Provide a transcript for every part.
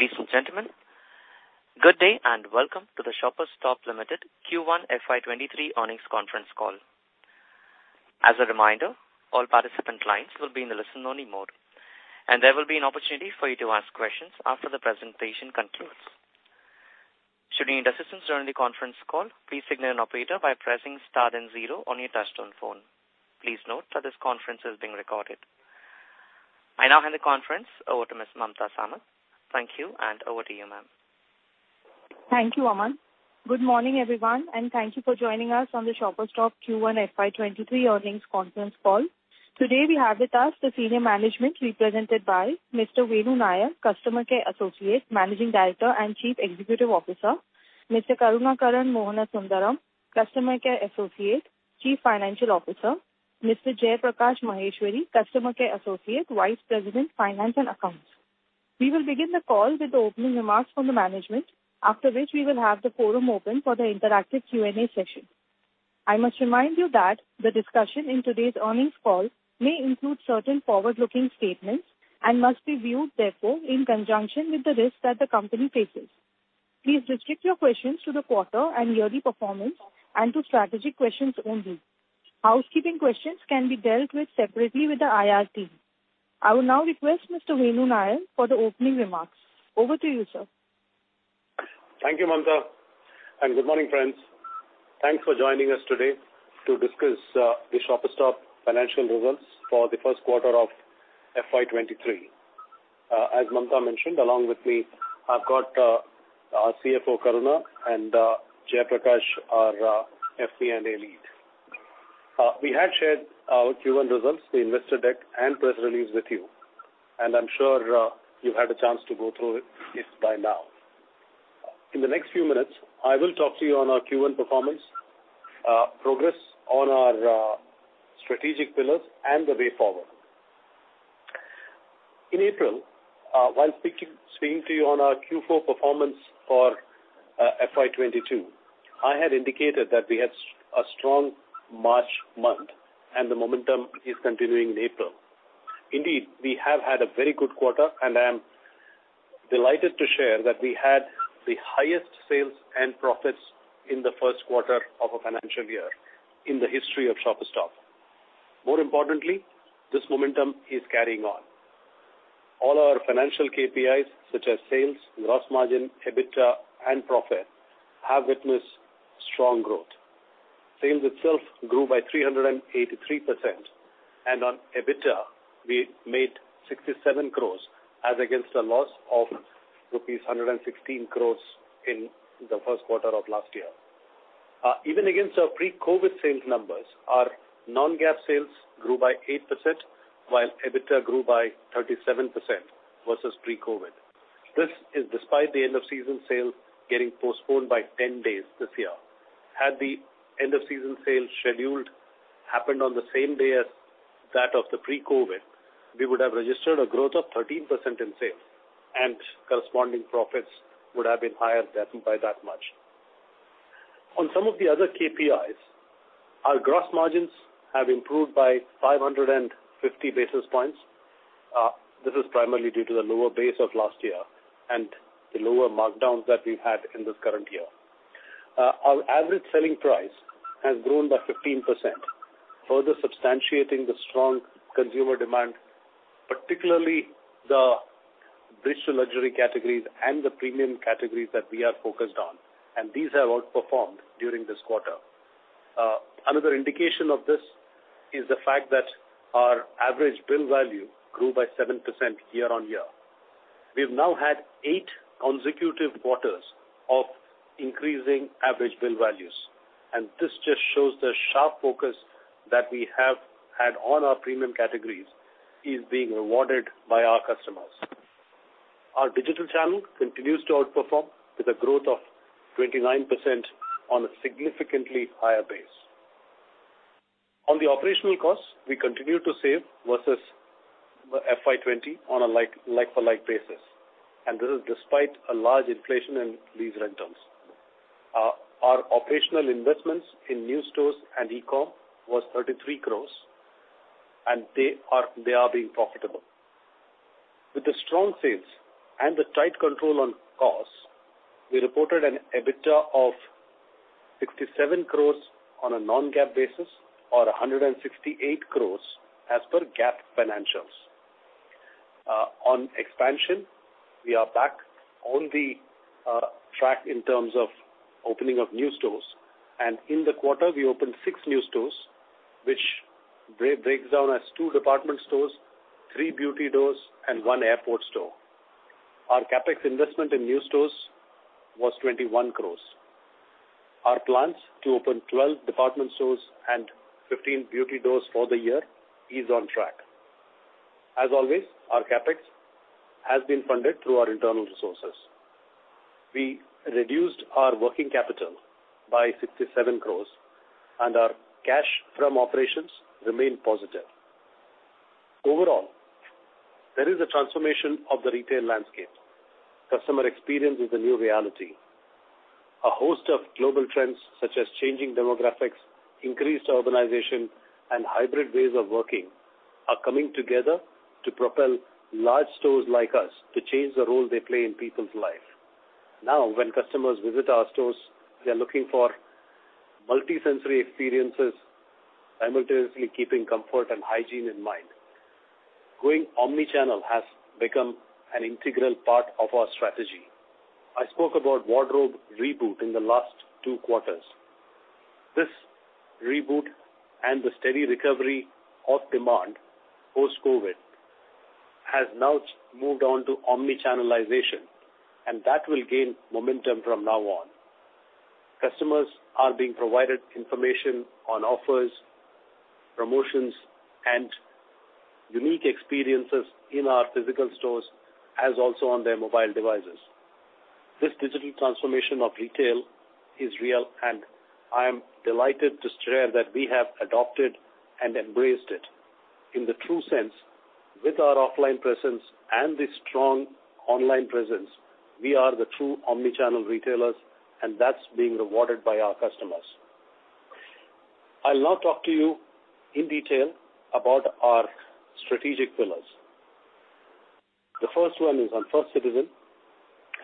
Ladies and gentlemen, good day, and welcome to the Shoppers Stop Limited Q1 FY 2023 earnings conference call. As a reminder, all participant lines will be in the listen-only mode, and there will be an opportunity for you to ask questions after the presentation concludes. Should you need assistance during the conference call, please signal an operator by pressing star then zero on your touch-tone phone. Please note that this conference is being recorded. I now hand the conference over to Ms. Mamta Samat. Thank you, and over to you, ma'am. Thank you, Aman. Good morning, everyone, and thank you for joining us on the Shoppers Stop Q1 FY 2023 earnings conference call. Today, we have with us the senior management represented by Mr. Venu Nair, Customer Care Associate, Managing Director and Chief Executive Officer. Mr. Karunakaran Mohanasundaram, Chief Financial Officer. Mr. Jaiprakash Maheshwari, Vice President, Finance and Accounts. We will begin the call with the opening remarks from the management, after which we will have the forum open for the interactive Q&A session. I must remind you that the discussion in today's earnings call may include certain forward-looking statements and must be viewed, therefore, in conjunction with the risks that the company faces. Please restrict your questions to the quarter and yearly performance and to strategic questions only. Housekeeping questions can be dealt with separately with the IR team. I will now request Mr. Venu Nair for the opening remarks. Over to you, sir. Thank you, Mamta, and good morning, friends. Thanks for joining us today to discuss the Shoppers Stop financial results for the first quarter of FY 2023. As Mamta mentioned, along with me, I've got our CFO, Karuna, and Jaiprakash, our FP&A Lead. We had shared our Q1 results, the investor deck, and press release with you, and I'm sure you've had a chance to go through it by now. In the next few minutes, I will talk to you on our Q1 performance, progress on our strategic pillars and the way forward. In April, while speaking to you on our Q4 performance for FY 2022, I had indicated that we had a strong March month, and the momentum is continuing in April. Indeed, we have had a very good quarter, and I am delighted to share that we had the highest sales and profits in the first quarter of a financial year in the history of Shoppers Stop. More importantly, this momentum is carrying on. All our financial KPIs, such as sales, gross margin, EBITDA and profit, have witnessed strong growth. Sales itself grew by 383%, and on EBITDA we made 67 crore as against a loss of rupees 116 crore in the first quarter of last year. Even against our pre-COVID sales numbers, our non-GAAP sales grew by 8%, while EBITDA grew by 37% versus pre-COVID. This is despite the End of Season Sale getting postponed by 10 days this year. Had the End of Season Sale scheduled happened on the same day as that of the pre-COVID, we would have registered a growth of 13% in sales, and corresponding profits would have been higher than by that much. On some of the other KPIs, our gross margins have improved by 550 basis points. This is primarily due to the lower base of last year and the lower markdowns that we had in this current year. Our average selling price has grown by 15%, further substantiating the strong consumer demand, particularly the bridge to luxury categories and the premium categories that we are focused on, and these have outperformed during this quarter. Another indication of this is the fact that our average bill value grew by 7% YoY. We've now had 8 consecutive quarters of increasing average bill values, and this just shows the sharp focus that we have had on our premium categories is being rewarded by our customers. Our digital channel continues to outperform with a growth of 29% on a significantly higher base. On the operational costs, we continue to save versus the FY 2020 on a like-for-like basis, and this is despite a large inflation in lease rentals. Our operational investments in new stores and e-com was 33 crore and they are being profitable. With the strong sales and the tight control on costs, we reported an EBITDA of 67 crore on a non-GAAP basis or 168 crore as per GAAP financials. On expansion, we are back on the track in terms of opening of new stores. In the quarter, we opened 6 new stores, which breaks down as 2 department stores, 3 beauty stores and 1 airport store. Our CapEx investment in new stores was 21 crore. Our plans to open 12 department stores and 15 beauty stores for the year is on track. As always, our CapEx has been funded through our internal resources. We reduced our working capital by 67 crore and our cash from operations remain positive. Overall, there is a transformation of the retail landscape. Customer experience is the new reality. A host of global trends, such as changing demographics, increased urbanization, and hybrid ways of working are coming together to propel large stores like us to change the role they play in people's life. Now, when customers visit our stores, they are looking for multi-sensory experiences, simultaneously keeping comfort and hygiene in mind. Going omni-channel has become an integral part of our strategy. I spoke about wardrobe reboot in the last two quarters. This reboot and the steady recovery of demand post-COVID has now moved on to omni-channelization, and that will gain momentum from now on. Customers are being provided information on offers, promotions, and unique experiences in our physical stores, as also on their mobile devices. This digital transformation of retail is real, and I am delighted to share that we have adopted and embraced it. In the true sense, with our offline presence and the strong online presence, we are the true omni-channel retailers, and that's being rewarded by our customers. I'll now talk to you in detail about our strategic pillars. The first one is on First Citizen,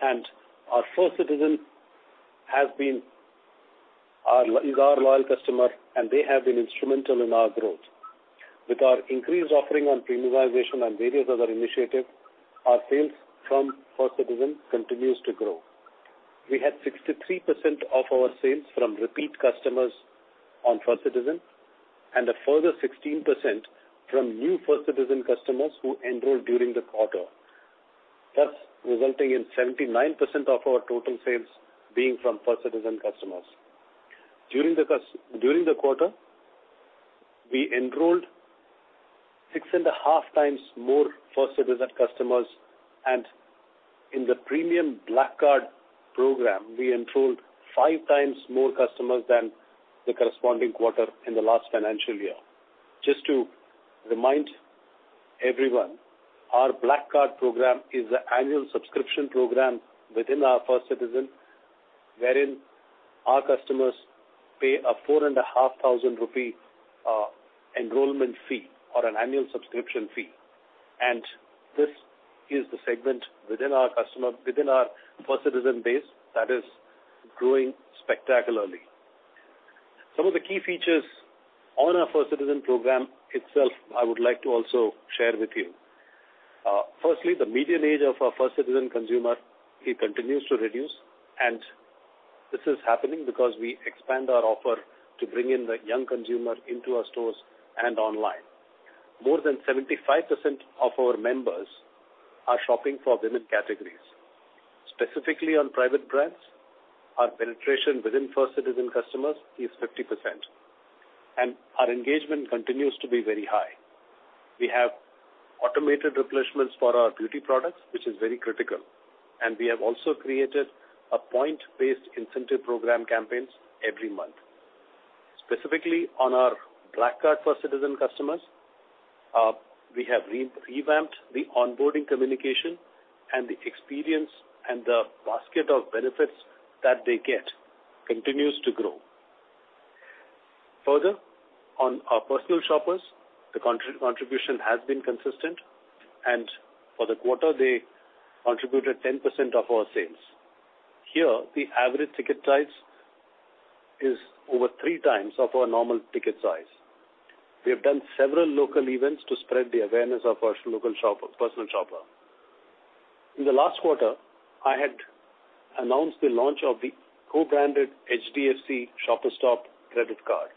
and our First Citizen is our loyal customer, and they have been instrumental in our growth. With our increased offering on premiumization and various other initiatives, our sales from First Citizen continues to grow. We had 63% of our sales from repeat customers on First Citizen and a further 16% from new First Citizen customers who enrolled during the quarter, thus resulting in 79% of our total sales being from First Citizen customers. During the quarter, we enrolled 6.5x more First Citizen customers, and in the premium Black Card program, we enrolled 5x more customers than the corresponding quarter in the last financial year. Just to remind everyone, our Black Card program is an annual subscription program within our First Citizen, wherein our customers pay 4,500 rupee enrollment fee or an annual subscription fee. This is the segment within our First Citizen base that is growing spectacularly. Some of the key features on our First Citizen program itself, I would like to also share with you. Firstly, the median age of our First Citizen consumer, it continues to reduce. This is happening because we expand our offer to bring in the young consumer into our stores and online. More than 75% of our members are shopping for women categories. Specifically on private brands, our penetration within First Citizen customers is 50%, and our engagement continues to be very high. We have automated replacements for our beauty products, which is very critical, and we have also created a point-based incentive program campaigns every month. Specifically, on our Black Card First Citizen customers, we have revamped the onboarding communication and the experience, and the basket of benefits that they get continues to grow. Further, on our personal shoppers, the contribution has been consistent, and for the quarter, they contributed 10% of our sales. Here, the average ticket size is over three times of our normal ticket size. We have done several local events to spread the awareness of our personal shopper. In the last quarter, I had announced the launch of the co-branded Shoppers Stop HDFC Bank Credit Card.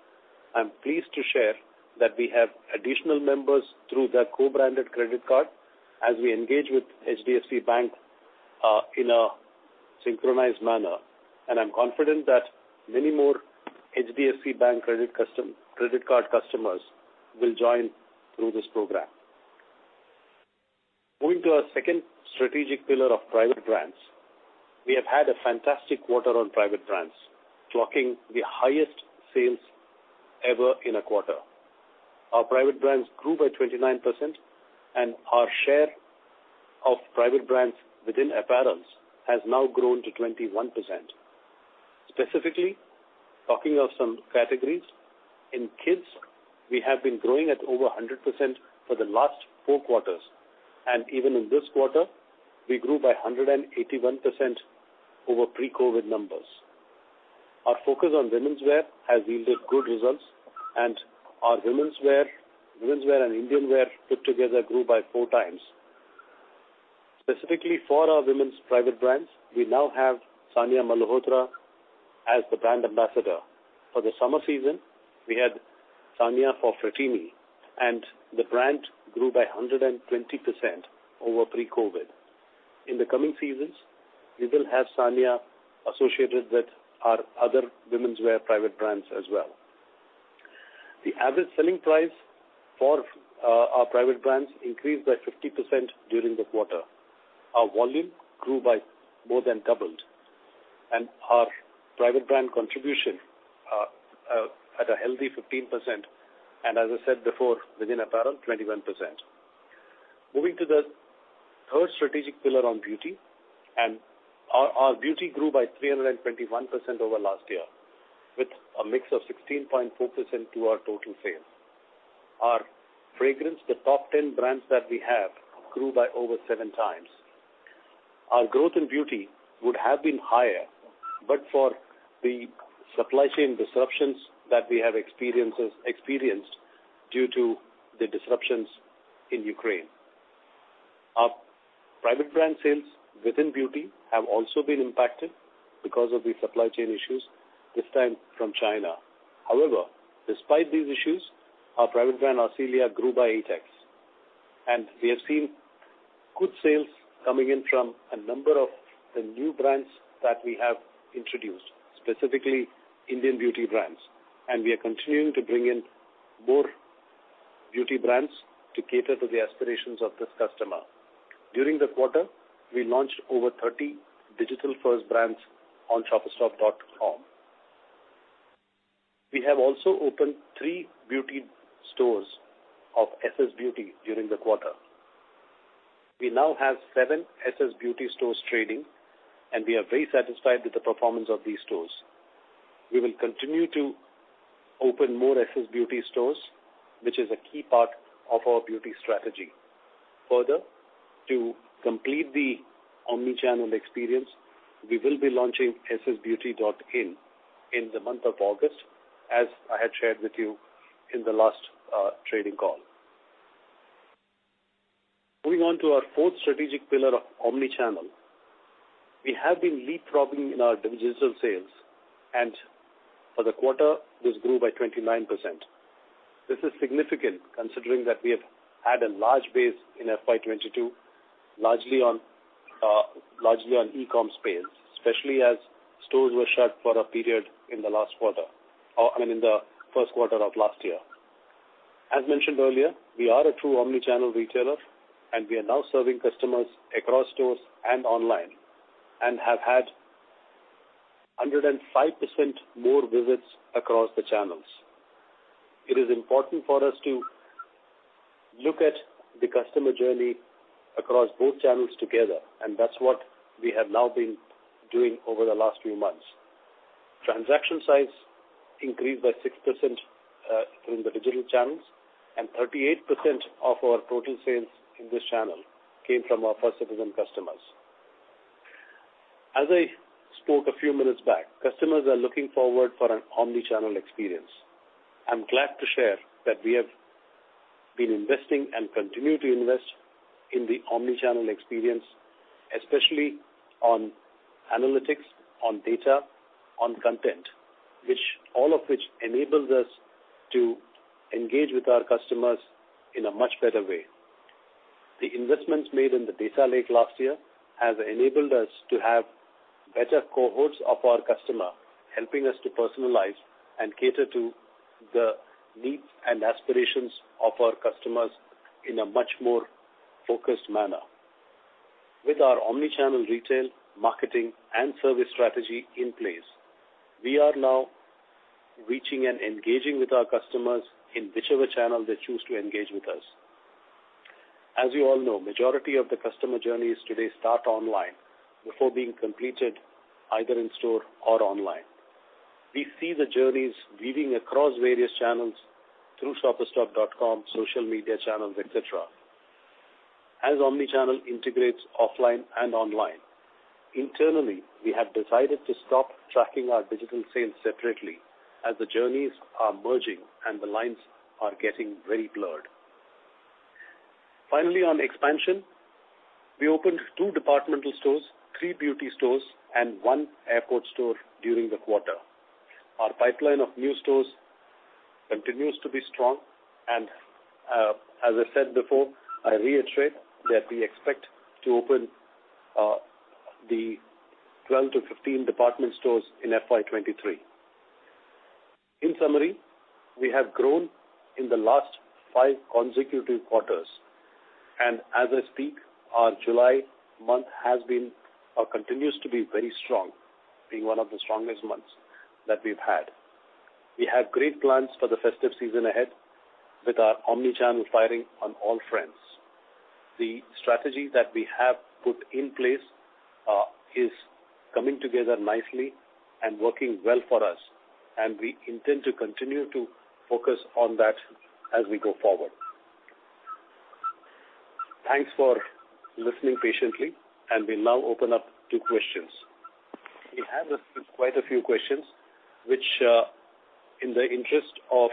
I'm pleased to share that we have additional members through the co-branded credit card as we engage with HDFC Bank in a synchronized manner. I'm confident that many more HDFC Bank credit card customers will join through this program. Moving to our second strategic pillar of private brands. We have had a fantastic quarter on private brands, clocking the highest sales ever in a quarter. Our private brands grew by 29%, and our share of private brands within apparels has now grown to 21%. Specifically, talking of some categories. In kids, we have been growing at over 100% for the last four quarters, and even in this quarter, we grew by 181% over pre-COVID numbers. Our focus on womenswear has yielded good results, and our womenswear and Indian wear put together grew by 4x. Specifically for our women's private brands, we now have Sania Mirza as the Brand Ambassador. For the summer season, we had Sania for Fratini, and the brand grew by 120% over pre-COVID. In the coming seasons, we will have Sania associated with our other womenswear private brands as well. The average selling price for our private brands increased by 50% during the quarter. Our volume grew by more than doubled. Our private brand contribution at a healthy 15% and as I said before, within apparel, 21%. Moving to the third strategic pillar on beauty, our beauty grew by 321% over last year, with a mix of 16.4% to our total sales. Our fragrance, the top 10 brands that we have, grew by over 7x. Our growth in beauty would have been higher, but for the supply chain disruptions that we have experienced due to the disruptions in Ukraine. Our private brand sales within beauty have also been impacted because of the supply chain issues, this time from China. However, despite these issues, our private brand, Arcelia, grew by 8x. We have seen good sales coming in from a number of the new brands that we have introduced, specifically Indian beauty brands. We are continuing to bring in more beauty brands to cater to the aspirations of this customer. During the quarter, we launched over 30 digital-first brands on shoppersstop.com. We have also opened 3 beauty stores of SS Beauty during the quarter. We now have 7 SS Beauty stores trading, and we are very satisfied with the performance of these stores. We will continue to open more SS Beauty stores, which is a key part of our beauty strategy. Further, to complete the omni-channel experience, we will be launching ssbeauty.in in the month of August, as I had shared with you in the last trading call. Moving on to our fourth strategic pillar of omni-channel. We have been leapfrogging in our digital sales, and for the quarter, this grew by 29%. This is significant considering that we have had a large base in FY 2022, largely on e-com space, especially as stores were shut for a period in the last quarter, I mean, in the first quarter of last year. As mentioned earlier, we are a true omni-channel retailer, and we are now serving customers across stores and online, and have had 105% more visits across the channels. It is important for us to look at the customer journey across both channels together, and that's what we have now been doing over the last few months. Transaction size increased by 6% in the digital channels, and 38% of our total sales in this channel came from our First Citizen customers. As I spoke a few minutes back, customers are looking forward for an omni-channel experience. I'm glad to share that we have been investing and continue to invest in the omni-channel experience, especially on analytics, on data, on content, which, all of which enables us to engage with our customers in a much better way. The investments made in the data lake last year have enabled us to have better cohorts of our customer, helping us to personalize and cater to the needs and aspirations of our customers in a much more focused manner. With our omni-channel retail, marketing, and service strategy in place, we are now reaching and engaging with our customers in whichever channel they choose to engage with us. As you all know, majority of the customer journeys today start online before being completed either in store or online. We see the journeys weaving across various channels through shoppersstop.com, social media channels, etc. As omni-channel integrates offline and online, internally, we have decided to stop tracking our digital sales separately as the journeys are merging and the lines are getting very blurred. Finally, on expansion, we opened 2 department stores, 3 beauty stores, and 1 airport store during the quarter. Our pipeline of new stores continues to be strong and, as I said before, I reiterate that we expect to open the 12-15 department stores in FY 2023. In summary, we have grown in the last 5 consecutive quarters. As I speak, our July month has been or continues to be very strong, being one of the strongest months that we've had. We have great plans for the festive season ahead with our omni-channel firing on all fronts. The strategy that we have put in place is coming together nicely and working well for us, and we intend to continue to focus on that as we go forward. Thanks for listening patiently, and we now open up to questions. We have received quite a few questions, which, in the interest of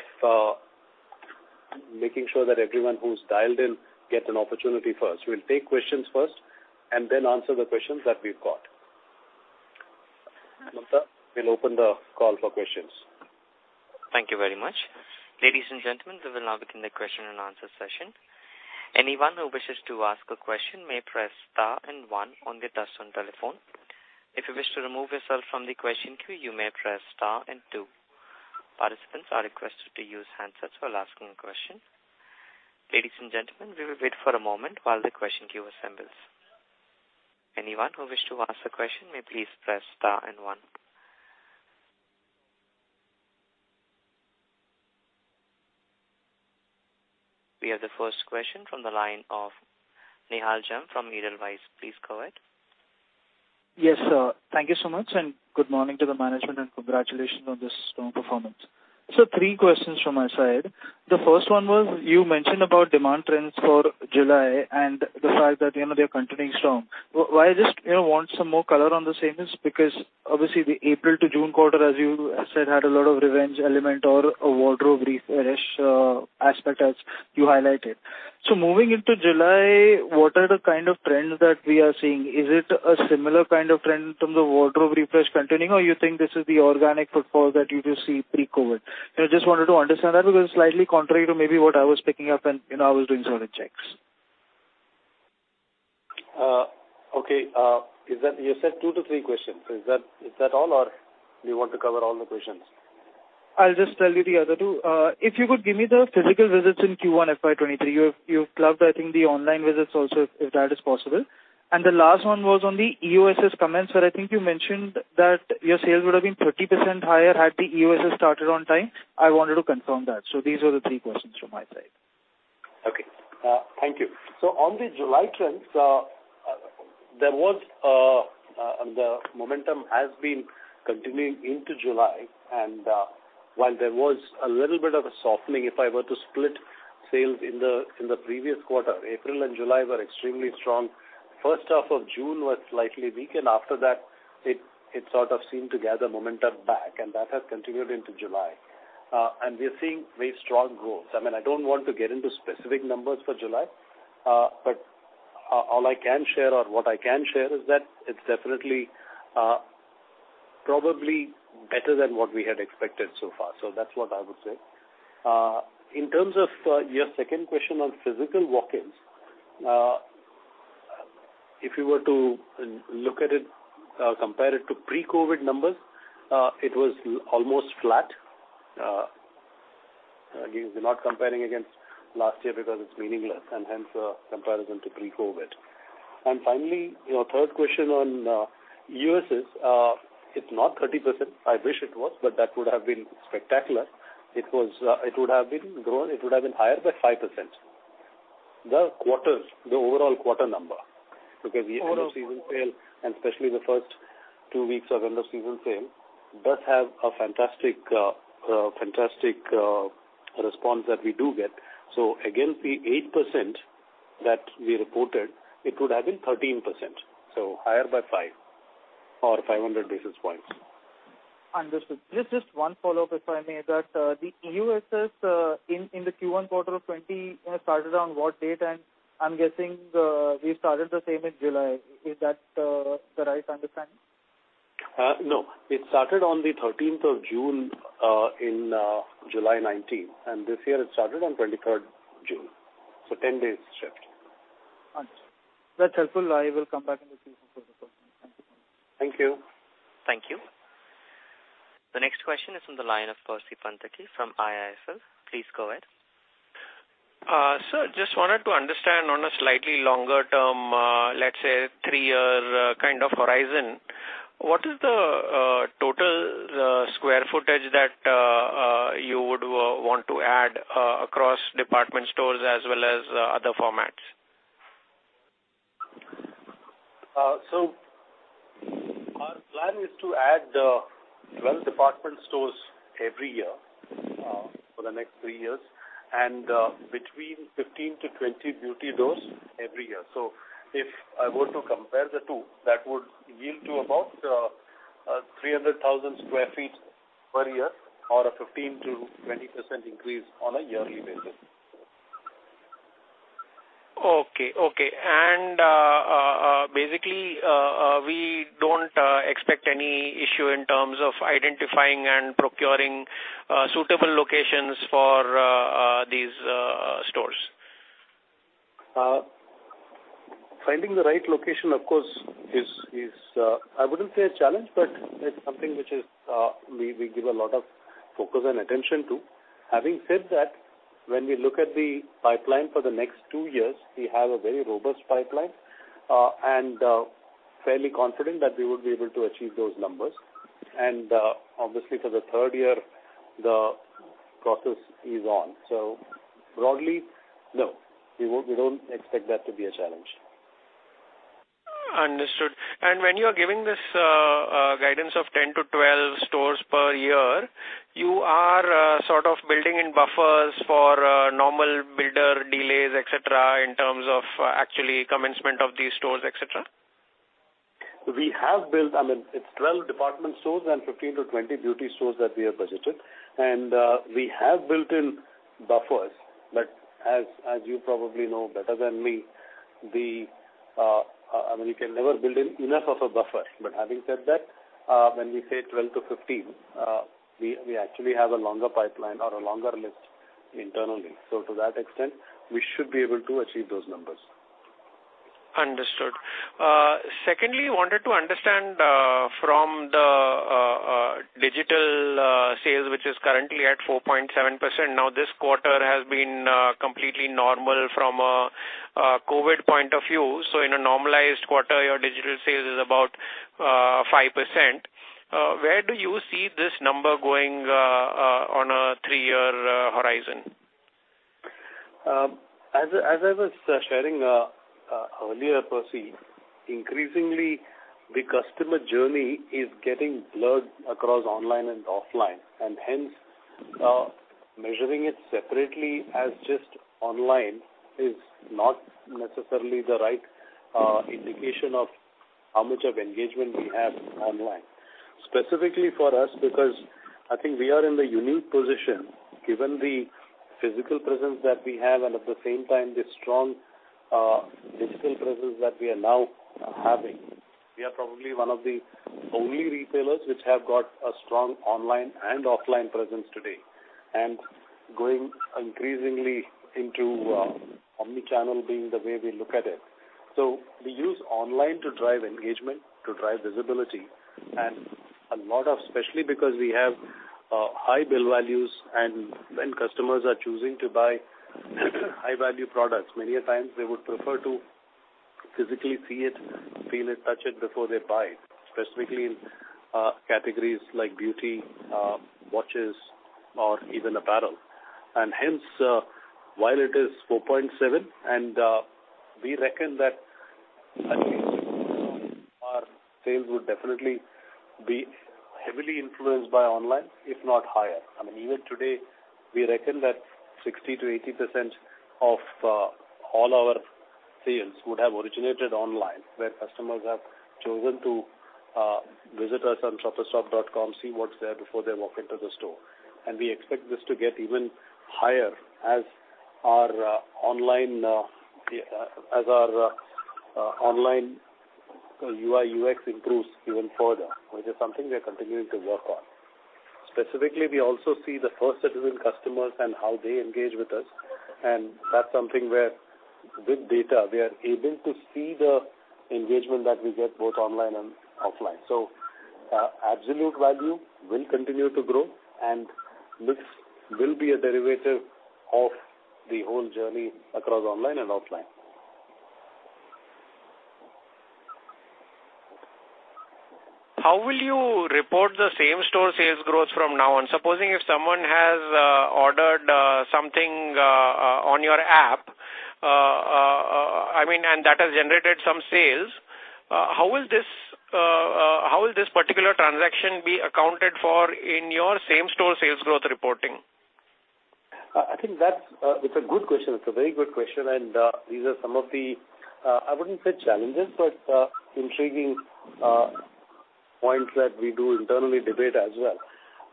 making sure that everyone who's dialed in gets an opportunity first. We'll take questions first and then answer the questions that we've got. Mamta, we'll open the call for questions. Thank you very much. Ladies and gentlemen, we will now begin the question and answer session. Anyone who wishes to ask a question may press star and one on their touch-tone telephone. If you wish to remove yourself from the question queue, you may press star and two. Participants are requested to use handsets while asking a question. Ladies and gentlemen, we will wait for a moment while the question queue assembles. Anyone who wish to ask a question may please press star and one. We have the first question from the line of Nihal Jham from Edelweiss. Please go ahead. Yes, sir. Thank you so much, and good morning to the management, and congratulations on this performance. Three questions from my side. The first one was, you mentioned about demand trends for July and the fact that, you know, they are continuing strong. Why I just, you know, want some more color on the same is because obviously the April to June quarter, as you said, had a lot of revenge element or a wardrobe refresh aspect as you highlighted. Moving into July, what are the kind of trends that we are seeing? Is it a similar kind of trend from the wardrobe refresh continuing, or you think this is the organic footfall that you just see pre-COVID? You know, just wanted to understand that because slightly contrary to maybe what I was picking up and, you know, I was doing some checks. Okay. You said 2-3 questions. Is that all, or do you want to cover all the questions? I'll just tell you the other two. If you could give me the physical visits in Q1 FY 2023. You've clubbed I think the online visits also, if that is possible. The last one was on the EOSS comments where I think you mentioned that your sales would have been 30% higher had the EOSS started on time. I wanted to confirm that. These are the three questions from my side. On the July trends, the momentum has been continuing into July, and while there was a little bit of a softening, if I were to split sales in the previous quarter, April and July were extremely strong. First half of June was slightly weak, and after that it sort of seemed to gather momentum back, and that has continued into July. We are seeing very strong growth. I mean, I don't want to get into specific numbers for July, but all I can share is that it's definitely probably better than what we had expected so far. That's what I would say. In terms of your second question on physical walk-ins, if you were to look at it, compare it to pre-COVID numbers, it was almost flat. Again, we're not comparing against last year because it's meaningless and hence a comparison to pre-COVID. Finally, your third question on EOSS, it's not 30%. I wish it was, but that would have been spectacular. It was, it would have been grown, it would have been higher by 5%. The quarters, the overall quarter number, because the end of season sale, and especially the first two weeks of end of season sale does have a fantastic response that we do get. Against the 8% that we reported, it would have been 13%, so higher by five or 500 basis points. Understood. Just one follow-up, if I may, that the EOSS in the Q1 quarter of 2020 started on what date? I'm guessing we started the same in July. Is that the right understanding? No. It started on the 13th of June in July 19th. This year it started on the 23rd June. 10 days shift. Understood. That's helpful. I will come back in the season for the call. Thank you. Thank you. Thank you. The next question is from the line of Percy Panthaki from IIFL. Please go ahead. Sir, just wanted to understand on a slightly longer term, let's say 3-year kind of horizon, what is the total square footage that you would want to add across department stores as well as other formats? Our plan is to add 12 department stores every year for the next 3 years, and between 15 to 20 beauty stores every year. If I were to compare the two, that would yield to about 300,000 sq ft per year or a 15%-20% increase on a yearly basis. Okay, basically, we don't expect any issue in terms of identifying and procuring these stores? Finding the right location, of course, is, I wouldn't say a challenge, but it's something which is, we give a lot of focus and attention to. Having said that, when we look at the pipeline for the next two years, we have a very robust pipeline, and fairly confident that we would be able to achieve those numbers. Obviously for the third year the process is on. Broadly, no, we don't expect that to be a challenge. Understood. When you are giving this guidance of 10-12 stores per year, you are sort of building in buffers for normal builder delays, et cetera, in terms of actually commencement of these stores, et cetera? We have built. I mean, it's 12 department stores and 15-20 beauty stores that we have budgeted. We have built in buffers, but as you probably know better than me, I mean, you can never build in enough of a buffer. Having said that, when we say 12-15, we actually have a longer pipeline or a longer list internally. To that extent, we should be able to achieve those numbers. Understood. Secondly, wanted to understand from the digital sales, which is currently at 4.7%. Now, this quarter has been completely normal from a COVID point of view. In a normalized quarter, your digital sales is about 5%. Where do you see this number going on a 3-year horizon? As I was sharing earlier, Percy, increasingly the customer journey is getting blurred across online and offline. Hence, measuring it separately as just online is not necessarily the right indication of how much of engagement we have online. Specifically for us, because I think we are in the unique position given the physical presence that we have, and at the same time the strong digital presence that we are now having. We are probably one of the only retailers which have got a strong online and offline presence today, and going increasingly into omni-channel being the way we look at it. We use online to drive engagement, to drive visibility and a lot of. Especially because we have high bill values and when customers are choosing to buy high-value products, many a times they would prefer to physically see it, feel it, touch it before they buy it, specifically in categories like beauty, watches or even apparel. Hence, while it is 4.7, we reckon that at least our sales would definitely be heavily influenced by online, if not higher. I mean, even today, we reckon that 60%-80% of all our sales would have originated online, where customers have chosen to visit us on shoppersstop.com, see what's there before they walk into the store. We expect this to get even higher as our online UI/UX improves even further, which is something we are continuing to work on. Specifically, we also see the First Citizen customers and how they engage with us, and that's something where with data we are able to see the engagement that we get both online and offline. Absolute value will continue to grow and this will be a derivative of the whole journey across online and offline. How will you report the same-store sales growth from now on? Supposing if someone has ordered something on your app, I mean, and that has generated some sales, how will this particular transaction be accounted for in your same-store sales growth reporting? I think that's. It's a good question. It's a very good question. These are some of the, I wouldn't say challenges, but, intriguing, points that we do internally debate as well.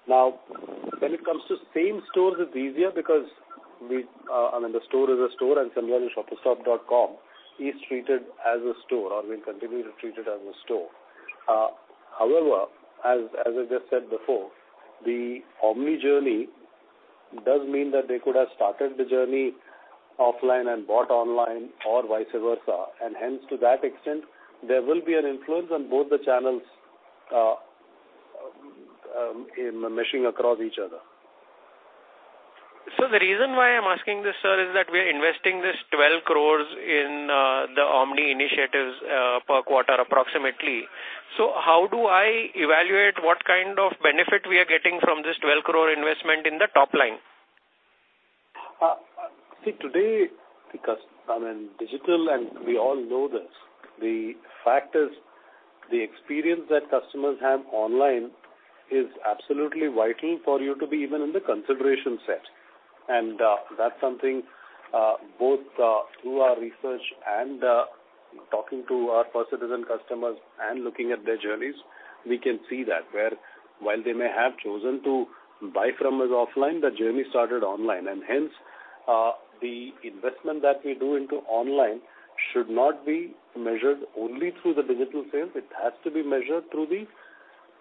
Now, when it comes to same stores, it's easier because we, I mean, the store is a store and similarly shoppersstop.com is treated as a store or we'll continue to treat it as a store. However, as I just said before, the omni journey does mean that they could have started the journey offline and bought online or vice versa. Hence, to that extent, there will be an influence on both the channels in meshing across each other. The reason why I'm asking this, sir, is that we are investing 12 crore in the omni initiatives per quarter approximately. How do I evaluate what kind of benefit we are getting from this 12 crore investment in the top line? See today, because I mean digital and we all know this, the fact is the experience that customers have online is absolutely vital for you to be even in the consideration set. That's something, both, through our research and, talking to our First Citizen customers and looking at their journeys, we can see that, where while they may have chosen to buy from us offline, the journey started online. Hence, the investment that we do into online should not be measured only through the digital sales. It has to be measured through the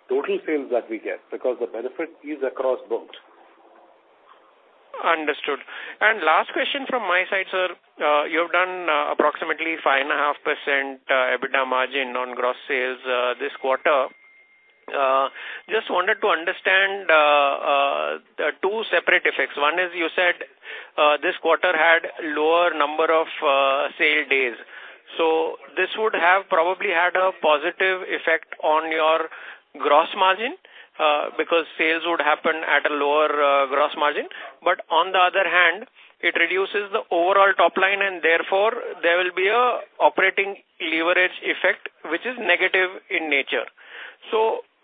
total sales that we get, because the benefit is across both. Understood. Last question from my side, sir. You have done approximately 5.5% EBITDA margin on gross sales this quarter. Just wanted to understand two separate effects. One is you said this quarter had lower number of sale days. This would have probably had a positive effect on your gross margin because sales would happen at a lower gross margin. But on the other hand it reduces the overall top line and therefore there will be a operating leverage effect which is negative in nature.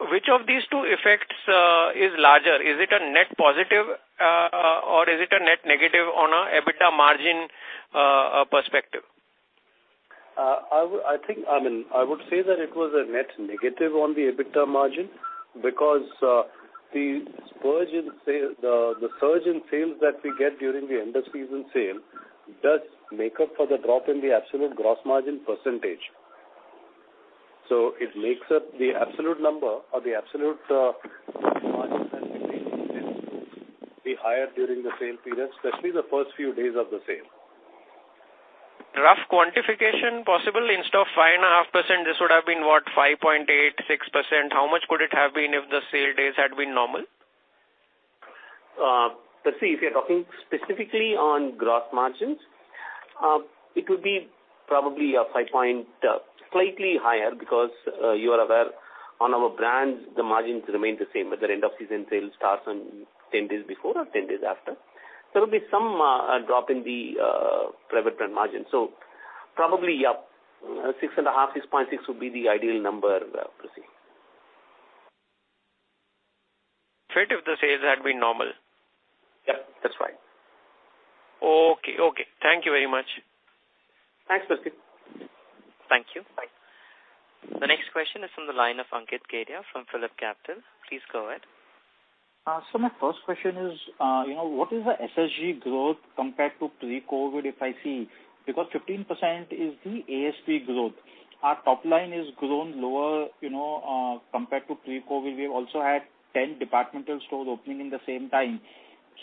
Which of these two effects is larger? Is it a net positive or is it a net negative on a EBITDA margin perspective? I think, I mean, I would say that it was a net negative on the EBITDA margin because the surge in sales that we get during the end of season sale does make up for the drop in the absolute gross margin percentage. It makes up the absolute number or the absolute margin that we make is higher during the sale period, especially the first few days of the sale. Rough quantification possible instead of 5.5%, this would have been, what? 5.8%-6%. How much could it have been if the sale days had been normal? Percy, if you're talking specifically on gross margins, it would be probably a 5-point, slightly higher because you are aware on our brands, the margins remain the same, whether end of season sale starts on 10 days before or 10 days after. There will be some drop in the pre-event margin. Probably, yeah, 6.5%-6.6% would be the ideal number to see. So, if the sales had been normal? Yep, that's right. Okay. Thank you very much. Thanks, Percy Panthaki. Thank you. Bye. The next question is from the line of Ankit Kedia from PhillipCapital. Please go ahead. My first question is, you know, what is the SSG growth compared to pre-COVID, if I see? Because 15% is the ASP growth. Our top line is grown lower, you know, compared to pre-COVID. We have also had 10 department stores opening in the same time.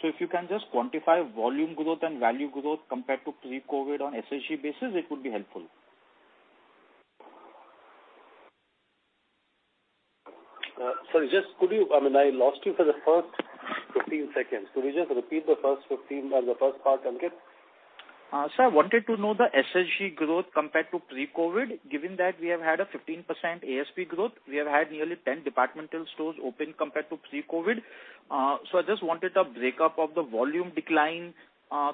If you can just quantify volume growth and value growth compared to pre-COVID on SSG basis, it would be helpful. Sorry, I mean, I lost you for the first 15 seconds. Could you just repeat the first 15, the first part, Ankit? Sir, I wanted to know the SSG growth compared to pre-COVID, given that we have had a 15% ASP growth. We have had nearly 10 department stores open compared to pre-COVID. I just wanted a breakdown of the volume decline,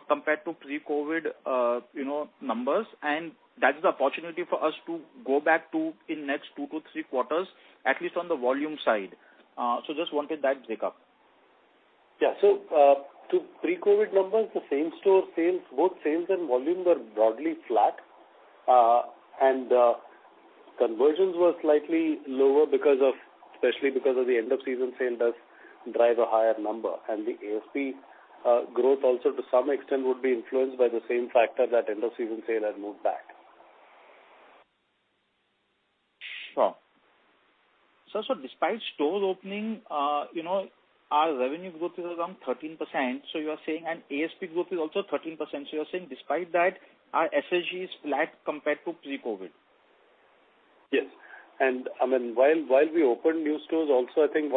compared to pre-COVID, you know, numbers, and that's the opportunity for us to go back to in next 2-3 quarters, at least on the volume side. I just wanted that breakdown. To pre-COVID numbers, the same-store sales, both sales and volume were broadly flat. Conversions were slightly lower because of, especially because of the End of Season Sale does drive a higher number. The ASP growth also to some extent would be influenced by the same factor that End of Season Sale has moved back. Sure. Despite store opening, you know, our revenue growth is around 13%. You are saying ASP growth is also 13%. You're saying despite that, our SSG is flat compared to pre-COVID? Yes. I mean, while we open new stores also, I think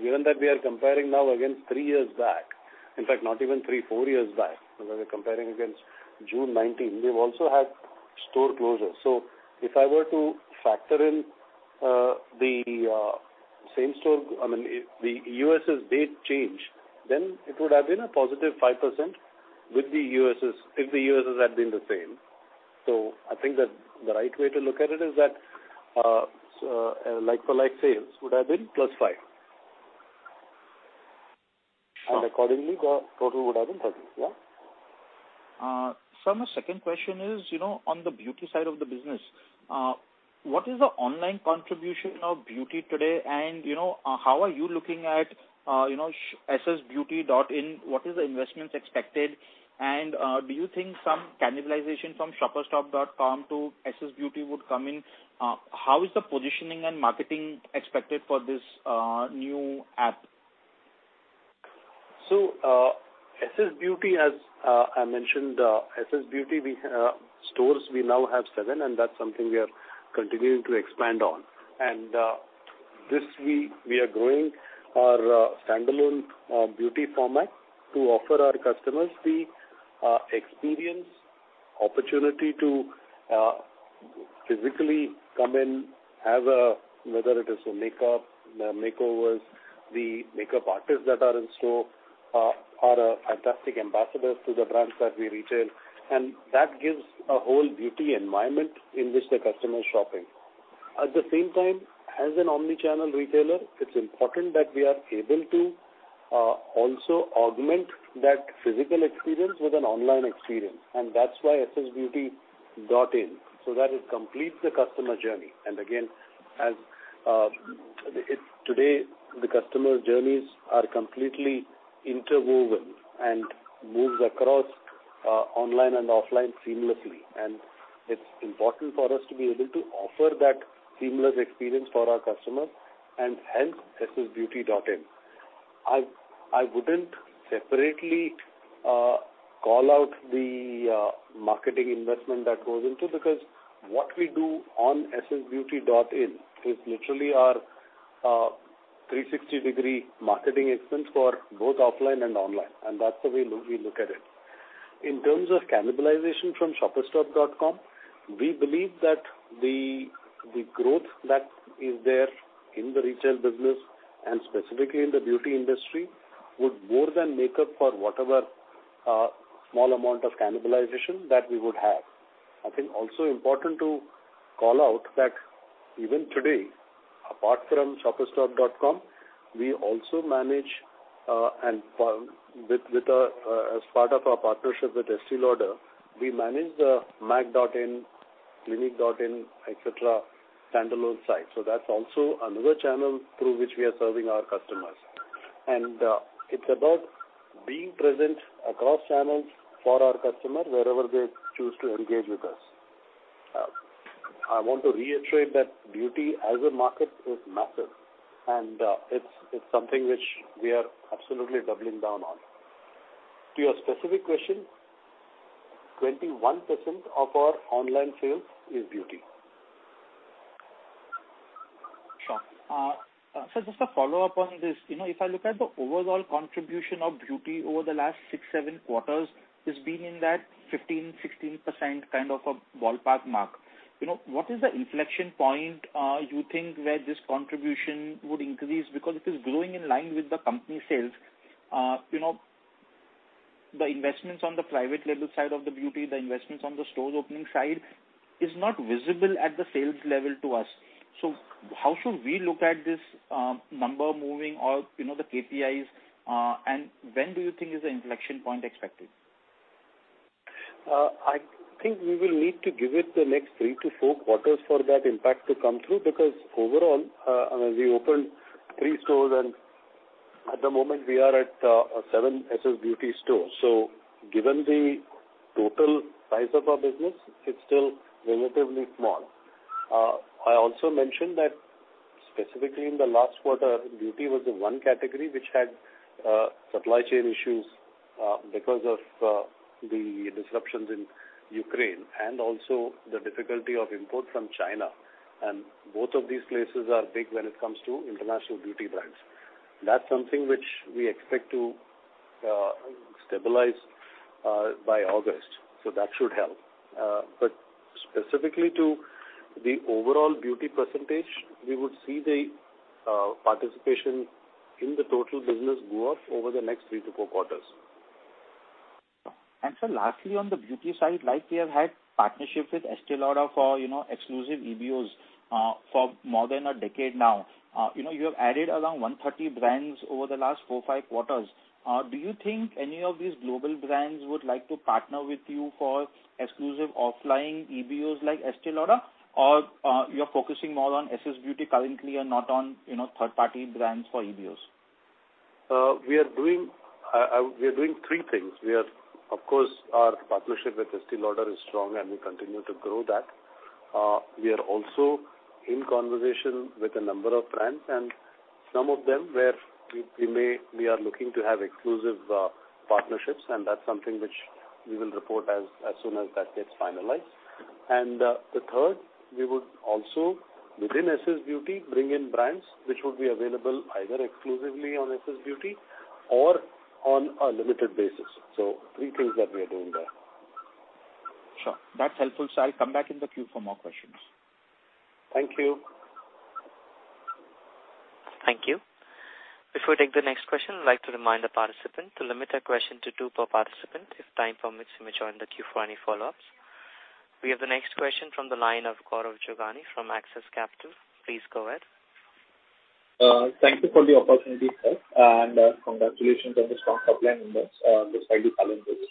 given that we are comparing now against three years back, in fact, not even three, four years back, because we're comparing against June 2019, we've also had store closures. If I were to factor in the same-store, I mean, if the SSS date change, then it would have been a +5% with the SSS, if the SSS had been the same. I think that the right way to look at it is that like-for-like sales would have been +5%. Sure. Accordingly, the total would have been 13%. Yeah. Sir, my second question is, you know, on the beauty side of the business, what is the online contribution of beauty today? You know, how are you looking at, you know, ssbeauty.in, what is the investments expected? Do you think some cannibalization from shoppersstop.com to ssbeauty.in would come in? How is the positioning and marketing expected for this, new app? SS Beauty, as I mentioned, SS Beauty. We now have 7 stores, and that's something we are continuing to expand on. This week we are growing our standalone beauty format to offer our customers the experience, opportunity to physically come in, have a whether it is a makeup, the makeovers, the makeup artists that are in-store are fantastic ambassadors to the brands that we retail, and that gives a whole beauty environment in which the customer is shopping. At the same time, as an omni-channel retailer, it's important that we are able to also augment that physical experience with an online experience, and that's why ssbeauty.in, so that it completes the customer journey. Again, as of today, the customer journeys are completely interwoven and moves across online and offline seamlessly. It's important for us to be able to offer that seamless experience for our customers and hence ssbeauty.in. I wouldn't separately call out the marketing investment that goes into because what we do on ssbeauty.in is literally our 360-degree marketing expense for both offline and online, and that's the way we look at it. In terms of cannibalization from shoppersstop.com, we believe that the growth that is there in the retail business and specifically in the beauty industry would more than make up for whatever small amount of cannibalization that we would have. I think also important to call out that even today, apart from shoppersstop.com, we also manage, as part of our partnership with Estée Lauder, we manage the mac.in, clinique.in, et cetera, standalone sites. That's also another channel through which we are serving our customers. It's about being present across channels for our customers wherever they choose to engage with us. I want to reiterate that beauty as a market is massive, and it's something which we are absolutely doubling down on. To your specific question, 21% of our online sales is beauty. Sure. So just a follow-up on this. You know, if I look at the overall contribution of beauty over the last 6-7 quarters, it's been in that 15%-16% kind of a ballpark mark. You know, what is the inflection point, you think where this contribution would increase? Because it is growing in line with the company sales. You know, the investments on the private label side of the beauty, the investments on the stores opening side is not visible at the sales level to us. So how should we look at this, number moving or, you know, the KPIs, and when do you think is the inflection point expected? I think we will need to give it the next 3-4 quarters for that impact to come through, because overall, we opened 3 stores, and at the moment we are at 7 SS Beauty stores. Given the total size of our business, it's still relatively small. I also mentioned that specifically in the last quarter, beauty was the one category which had supply chain issues because of the disruptions in Ukraine and also the difficulty of import from China. Both of these places are big when it comes to international beauty brands. That's something which we expect to stabilize by August, so that should help. Specifically to the overall beauty percentage, we would see the participation in the total business go up over the next 3-4 quarters. Sir, lastly, on the beauty side, like we have had partnership with Estée Lauder for, you know, exclusive EBOs for more than a decade now. You know, you have added around 130 brands over the last 4-5 quarters. Do you think any of these global brands would like to partner with you for exclusive offline EBOs like Estée Lauder? Or, you're focusing more on SS Beauty currently and not on, you know, third-party brands for EBOs? We are doing three things. We are, of course, our partnership with Estée Lauder is strong, and we continue to grow that. We are also in conversation with a number of brands and some of them where we are looking to have exclusive partnerships, and that's something which we will report as soon as that gets finalized. The third, we would also within SS Beauty, bring in brands which would be available either exclusively on SS Beauty or on a limited basis. Three things that we are doing there. Sure. That's helpful, sir. I'll come back in the queue for more questions. Thank you. Thank you. Before we take the next question, I'd like to remind the participant to limit their question to two per participant. If time permits, you may join the queue for any follow-ups. We have the next question from the line of Gaurav Jogani from Axis Capital. Please go ahead. Thank you for the opportunity, sir, and congratulations on the strong top line numbers despite the challenging year.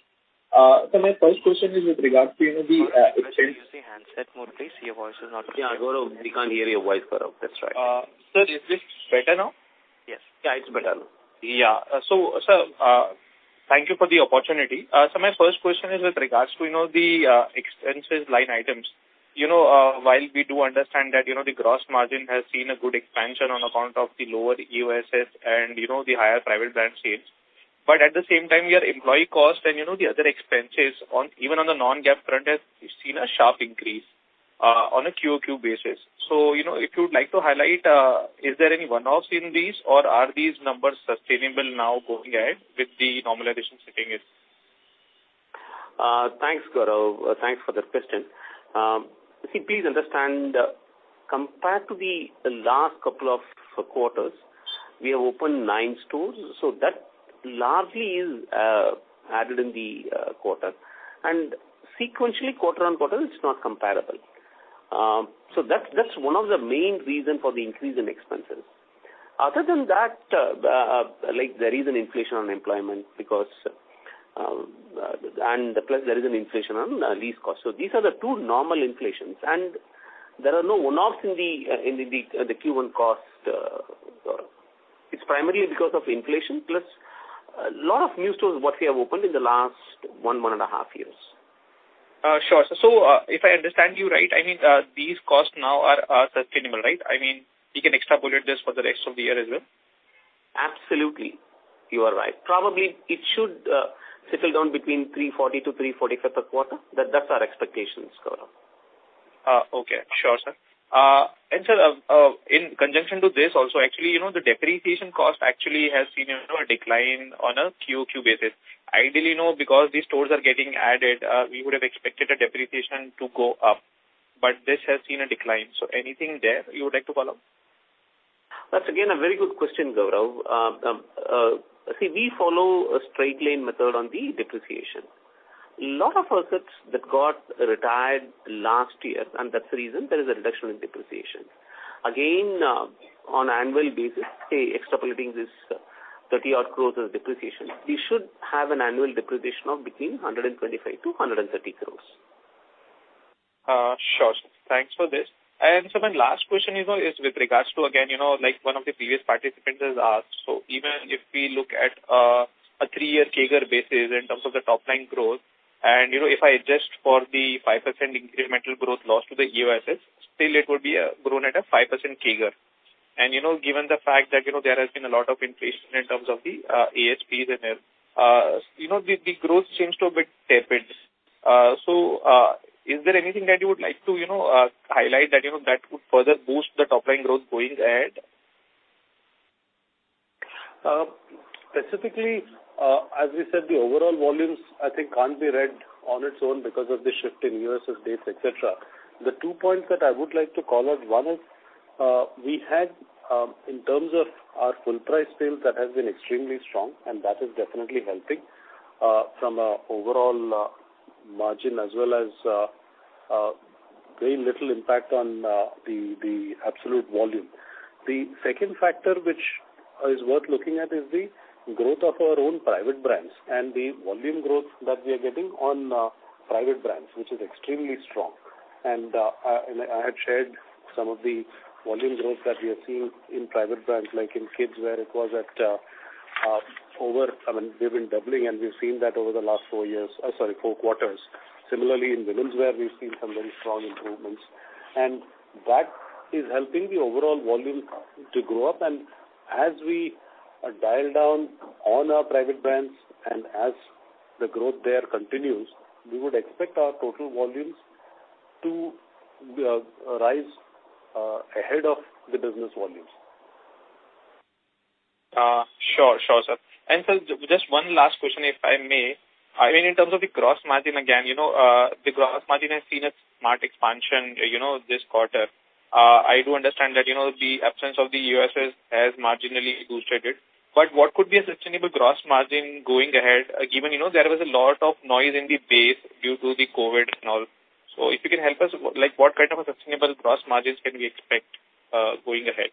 My first question is with regard to, you know, the Gaurav, could you use the handset mode, please. Your voice is not clear. Yeah, Gaurav, we can't hear your voice, Gaurav. That's right. Is this better now? Yes. Yeah, it's better. Yeah. Sir, thank you for the opportunity. My first question is with regards to, you know, the expenses line items. You know, while we do understand that, you know, the gross margin has seen a good expansion on account of the lower EOSS and, you know, the higher private brand sales. At the same time, your employee cost and, you know, the other expenses on the non-GAAP front has seen a sharp increase on a QOQ basis. You know, if you would like to highlight, is there any one-offs in these or are these numbers sustainable now going ahead with the normalization setting in? Thanks, Gaurav. Thanks for that question. You see, please understand, compared to the last couple of quarters, we have opened nine stores, so that largely is added in the quarter. Sequentially quarter-over-quarter it's not comparable. So that's one of the main reason for the increase in expenses. Other than that, like there is an inflation on employment because and plus there is an inflation on lease costs. These are the two normal inflations, and there are no one-offs in the Q1 cost. It's primarily because of inflation, plus a lot of new stores what we have opened in the last 1.5 Years. Sure. If I understand you right, I mean, these costs now are sustainable, right? I mean, we can extrapolate this for the rest of the year as well. Absolutely. You are right. Probably it should settle down between 340-345 per quarter. That's our expectations, Gaurav. Okay. Sure, sir. Sir, in conjunction to this also actually, you know, the depreciation cost actually has seen, you know, a decline on a QOQ basis. Ideally, you know, because these stores are getting added, we would have expected a depreciation to go up, but this has seen a decline. Anything there you would like to follow? That's again a very good question, Gaurav. See, we follow a straight line method on the depreciation. A lot of assets that got retired last year, and that's the reason there is a reduction in depreciation. Again, on annual basis, say extrapolating this 30-odd crore of depreciation, we should have an annual depreciation of between 125 crore-130 crore. Sure. Thanks for this. Sir, my last question, you know, is with regards to again, you know, like one of the previous participants has asked, so even if we look at a 3-year CAGR basis in terms of the top line growth, and, you know, if I adjust for the 5% incremental growth loss to the EOSS, still it would be grown at a 5% CAGR. And, you know, given the fact that, you know, there has been a lot of inflation in terms of the ASPs and everything, you know, the growth seems a bit tepid. So, is there anything that you would like to, you know, highlight that, you know, that would further boost the top line growth going ahead? Specifically, as we said, the overall volumes I think can't be read on its own because of the shift in EOSS's dates, et cetera. The two points that I would like to call out, one is, we had, in terms of our full price sales, that has been extremely strong, and that is definitely helping, from a overall margin as well as, very little impact on, the absolute volume. The second factor which is worth looking at is the growth of our own private brands and the volume growth that we are getting on, private brands, which is extremely strong. I had shared some of the volume growth that we are seeing in private brands, like in kids where it was at, over... I mean, we've been doubling and we've seen that over the last 4 quarters. Similarly, in women's wear, we've seen some very strong improvements, and that is helping the overall volume to grow up. As we dial down on our private brands and as the growth there continues, we would expect our total volumes to rise ahead of the business volumes. Sure. Sure, sir. Sir, just one last question, if I may. I mean, in terms of the gross margin, again, you know, the gross margin has seen a smart expansion, you know, this quarter. I do understand that, you know, the absence of the U.S. has marginally boosted it. But what could be a sustainable gross margin going ahead, given, you know, there was a lot of noise in the base due to the COVID and all. If you can help us, like, what kind of a sustainable gross margins can we expect going ahead?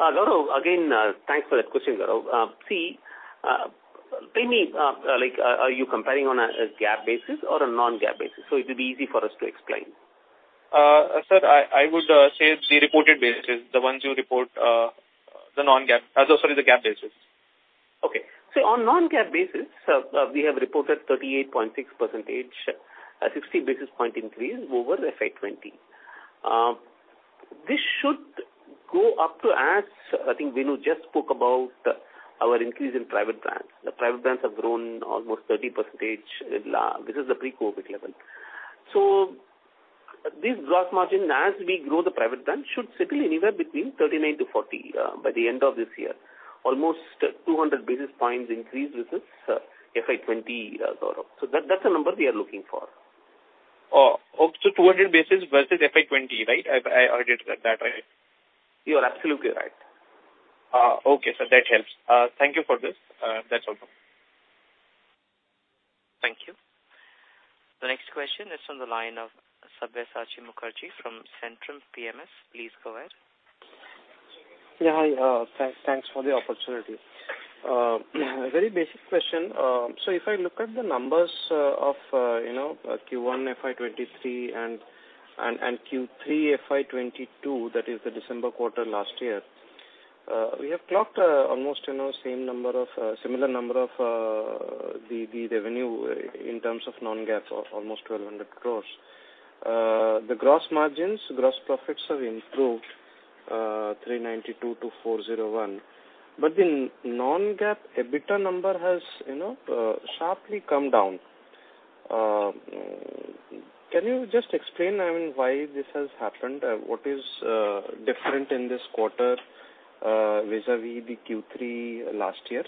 Gaurav, again, thanks for that question, Gaurav. See, tell me, like, are you comparing on a GAAP basis or a non-GAAP basis? It will be easy for us to explain. Sir, I would say the reported basis, the ones you report, the non-GAAP. Sorry, the GAAP basis. Okay. On non-GAAP basis, we have reported 38.6%, a 60 basis point increase over FY 2020. This should go up to as I think Venu just spoke about our increase in private brands. The private brands have grown almost 30%. This is the pre-COVID level. This gross margin, as we grow the private brand, should settle anywhere between 39%-40%, by the end of this year. Almost 200 basis points increase versus FY 2020, Gaurav. That, that's the number we are looking for. Oh, up to 200 basis versus FY 2020, right? I heard it like that, right? You are absolutely right. Okay, sir. That helps. Thank you for this. That's all from me. Thank you. The next question is from the line of Sabyasachi [Mukherji from Centrum] PMS. Please go ahead. Yeah. Hi. Thanks for the opportunity. A very basic question. So if I look at the numbers of, you know, Q1 FY 2023 and Q3 FY 2022, that is the December quarter last year, we have clocked almost, you know, similar number of the revenue in terms of non-GAAP of almost 1,200 crore. The gross margins, gross profits have improved 392-401. The non-GAAP EBITDA number has, you know, sharply come down. Can you just explain, I mean, why this has happened? What is different in this quarter vis-a-vis the Q3 last year?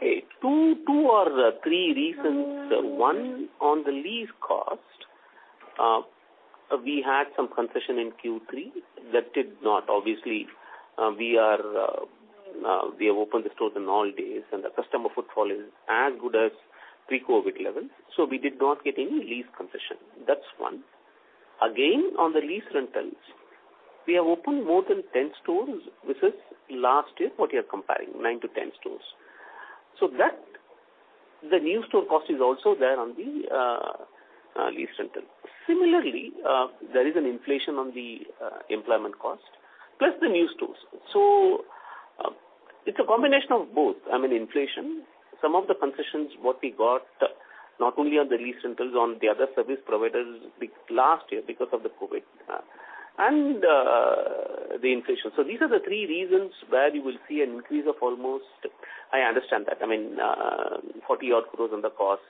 Two or three reasons. One, on the lease cost, we had some concession in Q3. Obviously, we have opened the stores in all days, and the customer footfall is as good as pre-COVID levels, so we did not get any lease concession. That's one. Again, on the lease rentals, we have opened more than 10 stores versus last year, what you're comparing, 9 to 10 stores. So that, the new store cost is also there on the lease rental. Similarly, there is an inflation on the employment cost, plus the new stores. So it's a combination of both. I mean, inflation, some of the concessions, what we got not only on the lease rentals, on the other service providers last year because of the COVID, and the inflation. These are the three reasons where you will see an increase of almost, I understand that, I mean, 40-odd crore on the cost.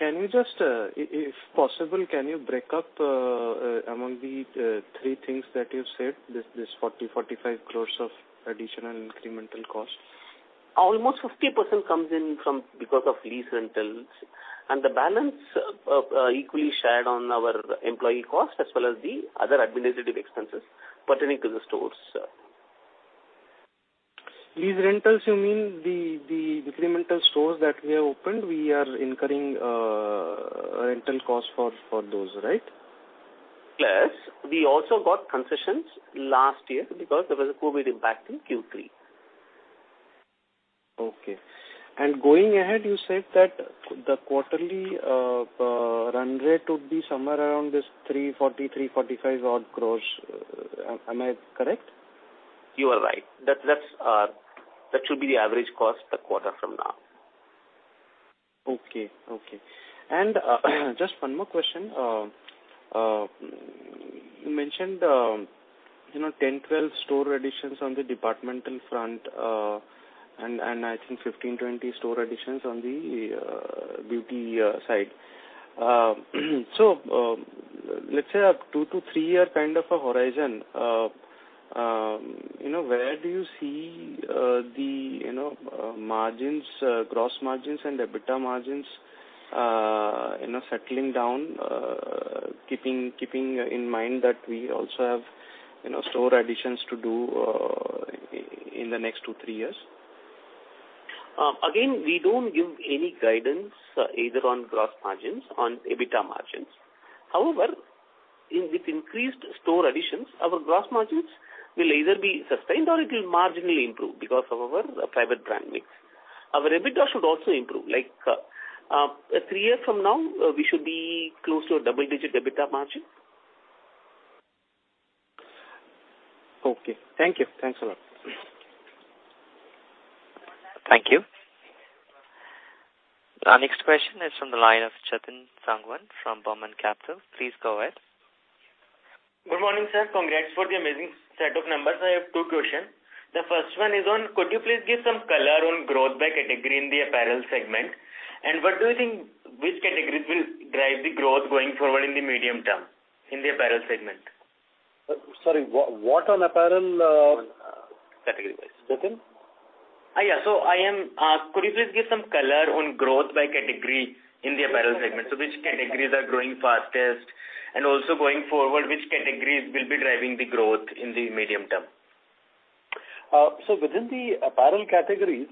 Can you just, if possible, break up among the three things that you've said, this 45 crore of additional incremental cost? Almost 50% comes from lease rentals, and the balance equally shared on our employee cost as well as the other administrative expenses pertaining to the stores. Lease rentals, you mean the incremental stores that we have opened, we are incurring rental costs for those, right? Yes. We also got concessions last year because there was a COVID impact in Q3. Okay. Going ahead, you said that the quarterly run rate would be somewhere around 340-345 crore. Am I correct? You are right. That should be the average cost a quarter from now. Okay. Just one more question. You mentioned, you know, 10, 12 store additions on the departmental front, and I think 15, 20 store additions on the beauty side. Let's say a 2-3-year kind of a horizon, you know, where do you see the you know margins, gross margins and EBITDA margins, you know, settling down, keeping in mind that we also have you know store additions to do, in the next 2, 3 years? Again, we don't give any guidance either on gross margins, on EBITDA margins. However, with increased store additions, our gross margins will either be sustained or it will marginally improve because of our private brand mix. Our EBITDA should also improve. Like, three years from now, we should be close to a double-digit EBITDA margin. Okay. Thank you. Thanks a lot. Thank you. Our next question is from the line of Chetan [Sanguine] from Beaumont Capital. Please go ahead. Good morning, sir. Congrats for the amazing set of numbers. I have two questions. The first one is on could you please give some color on growth by category in the apparel segment? What do you think which categories will drive the growth going forward in the medium term in the apparel segment? Sorry, what on apparel? Category wise. Chetan? Could you please give some color on growth by category in the apparel segment? Which categories are growing fastest? Also going forward, which categories will be driving the growth in the medium term? Within the apparel categories,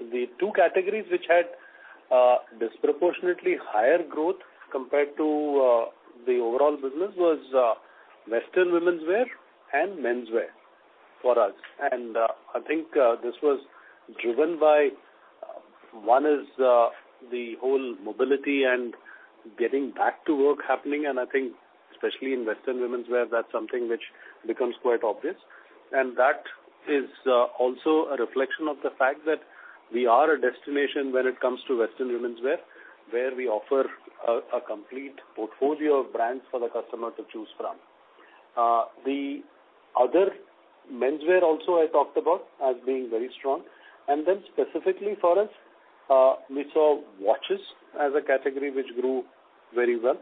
the two categories which had disproportionately higher growth compared to the overall business was western women's wear and men's wear for us. I think this was driven by the whole mobility and getting back to work happening. I think especially in western women's wear, that's something which becomes quite obvious. That is also a reflection of the fact that we are a destination when it comes to western women's wear, where we offer a complete portfolio of brands for the customer to choose from. The other men's wear also I talked about as being very strong. Specifically for us, we saw watches as a category which grew very well.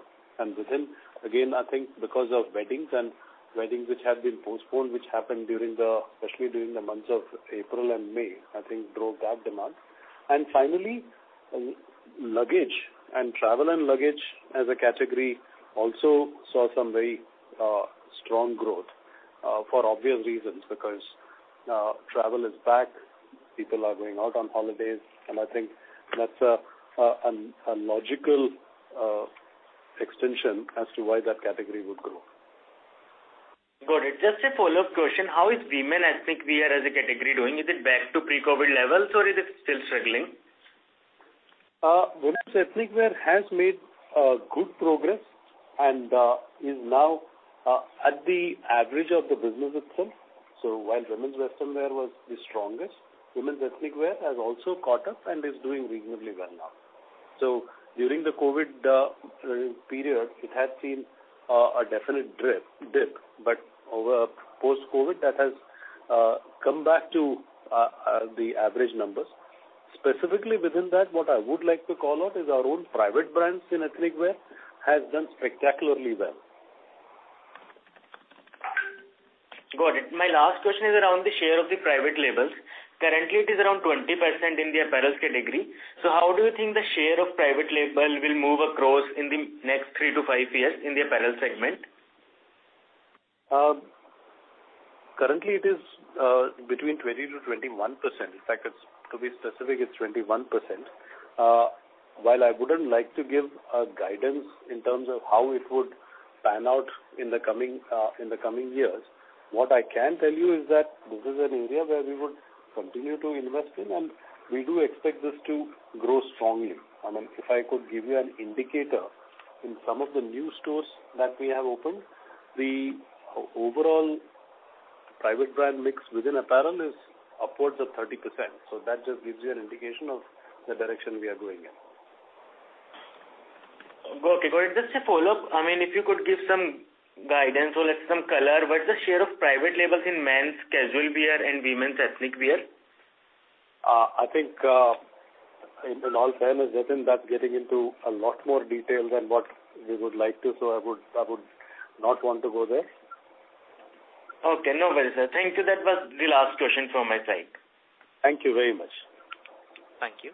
Within, again, I think because of weddings which had been postponed, which happened during, especially during the months of April and May, I think drove that demand. Finally, luggage and travel as a category also saw some very strong growth for obvious reasons, because travel is back, people are going out on holidays, and I think that's a logical extension as to why that category would grow. Got it. Just a follow-up question. How is women ethnic wear as a category doing? Is it back to pre-COVID levels or is it still struggling? Women's ethnic wear has made good progress and is now at the average of the business itself. While women's western wear was the strongest, women's ethnic wear has also caught up and is doing reasonably well now. During the COVID period, it has seen a definite dip, but over post-COVID, that has come back to the average numbers. Specifically within that, what I would like to call out is our own private brands in ethnic wear has done spectacularly well. Got it. My last question is around the share of the private labels. Currently, it is around 20% in the apparel category. How do you think the share of private label will move across in the next 3-5 years in the apparel segment? Currently it is between 20%-21%. In fact, it's, to be specific, it's 21%. While I wouldn't like to give a guidance in terms of how it would pan out in the coming, in the coming years, what I can tell you is that this is an area where we would continue to invest in, and we do expect this to grow strongly. I mean, if I could give you an indicator, in some of the new stores that we have opened, the overall private brand mix within apparel is upwards of 30%. That just gives you an indication of the direction we are going in. Okay. Got it. Just a follow-up. I mean, if you could give some guidance or like some color, what's the share of private labels in men's casual wear and women's ethnic wear? I think, in all fairness, that's getting into a lot more detail than what we would like to, so I would not want to go there. Okay. No worries, sir. Thank you. That was the last question from my side. Thank you very much. Thank you.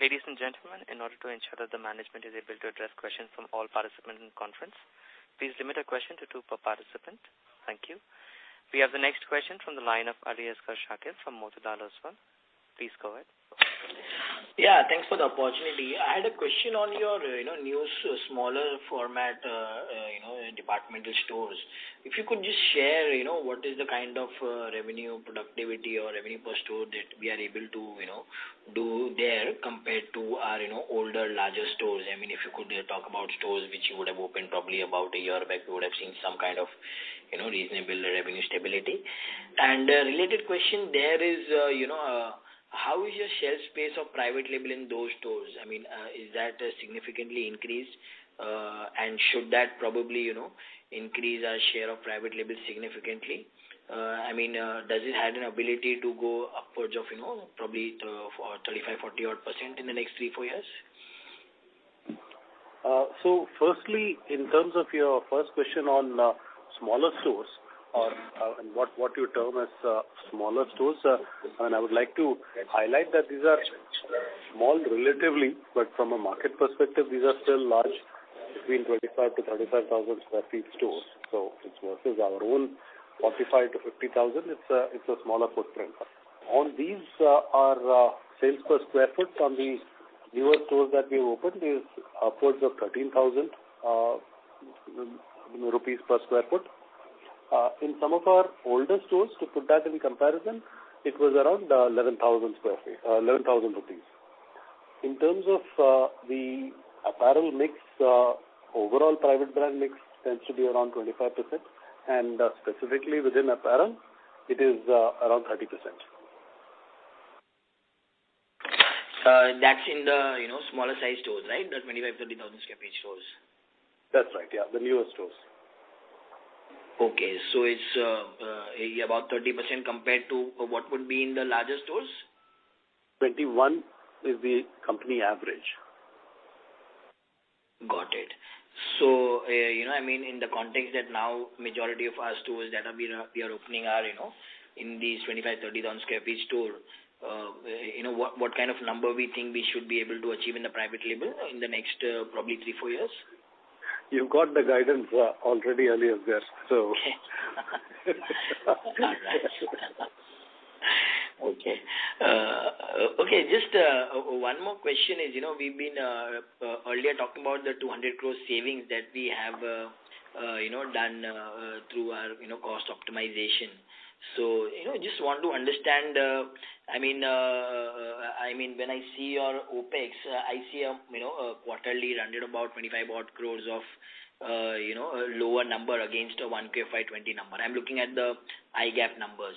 Ladies and gentlemen, in order to ensure that the management is able to address questions from all participants in the conference, please limit a question to two per participant. Thank you. We have the next question from the line of Aliasgar Shakir from Motilal Oswal. Please go ahead. Yeah, thanks for the opportunity. I had a question on your, you know, new, smaller format, you know, departmental stores. If you could just share, you know, what is the kind of, revenue productivity or revenue per store that we are able to, you know, do there compared to our, you know, older, larger stores. I mean, if you could, talk about stores which you would have opened probably about a year back, you would have seen some kind of, you know, reasonable revenue stability. A related question, there is, you know, How is your share space of private label in those stores? I mean, is that significantly increased? Should that probably, you know, increase our share of private label significantly? I mean, does it have an ability to go upwards of, you know, probably 35%-40% in the next 3-4 years? Firstly, in terms of your first question on smaller stores or and what you term as smaller stores, I mean, I would like to highlight that these are small relatively, but from a market perspective, these are still large, between 25,000-35,000 sq ft stores. It's versus our own 45,000-50,000 sq ft, it's a smaller footprint. On these, our sales per sq ft on these newer stores that we've opened is upwards of 13,000 rupees per sq ft. In some of our older stores, to put that in comparison, it was around 11,000 rupees. In terms of the apparel mix, overall private brand mix tends to be around 25%. Specifically within apparel, it is around 30%. That's in the, you know, smaller size stores, [right that when you were doing on this campaign shows?] That's right. Yeah. The newer stores. Okay. It's about 30% compared to what would be in the larger stores? 21% is the company average. Got it. You know, I mean, in the context that now majority of our stores that we are opening are, you know, in these 25,000-30,000 sq ft store, you know, what kind of number we think we should be able to achieve in the private label in the next, probably 3-4 years? You got the guidance already earlier there, so All right. Super. Okay. Okay, just one more question is, you know, we've been earlier talking about the 200 crore savings that we have, you know, done through our, you know, cost optimization. You know, just want to understand, I mean, when I see your OpEx, I see a, you know, a quarterly round about 25 odd crore of, you know, a lower number against a 1Q FY 2020 number. I'm looking at the non-GAAP numbers.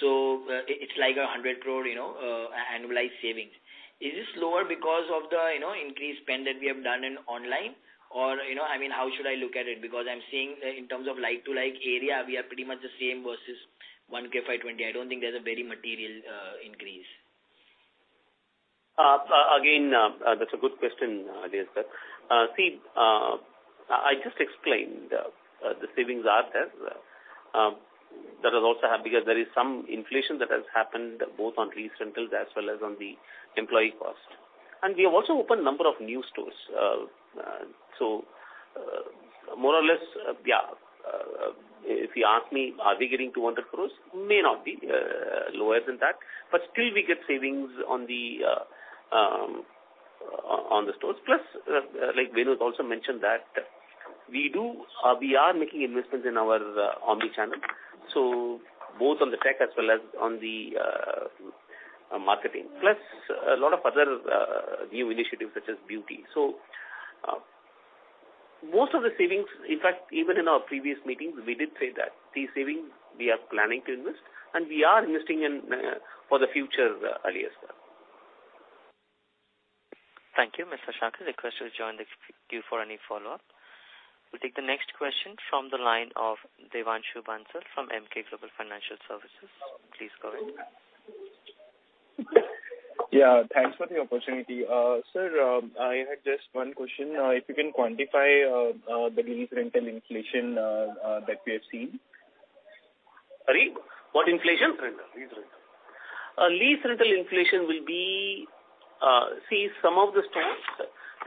So it's like a 100 crore, you know, annualized savings. Is this lower because of the, you know, increased spend that we have done in online? Or, you know, I mean, how should I look at it? Because I'm seeing in terms of like-for-like area, we are pretty much the same versus 1Q FY 2020. I don't think there's a very material increase. That's a good question, Aliasgar sir. See, I just explained, the savings are there. That is also have because there is some inflation that has happened both on lease rentals as well as on the employee cost. We have also opened number of new stores. More or less, yeah, if you ask me, are we getting 200 crore? May not be, lower than that, but still we get savings on the on the stores. Like Venu also mentioned that we do or we are making investments in our omni-channel, so both on the tech as well as on the marketing, plus a lot of other new initiatives such as beauty. Most of the savings, in fact, even in our previous meetings, we did say that these savings we are planning to invest, and we are investing in, for the future, Aliasgar. Thank you. Mr. Shakir, I request you to join the queue for any follow-up. We'll take the next question from the line of Devanshu Bansal from Emkay Global Financial Services. Please go ahead. Yeah, thanks for the opportunity. Sir, I had just one question. If you can quantify the lease rental inflation that we have seen? Sorry, what inflation? Lease rental. Lease rental inflation will be, some of the stores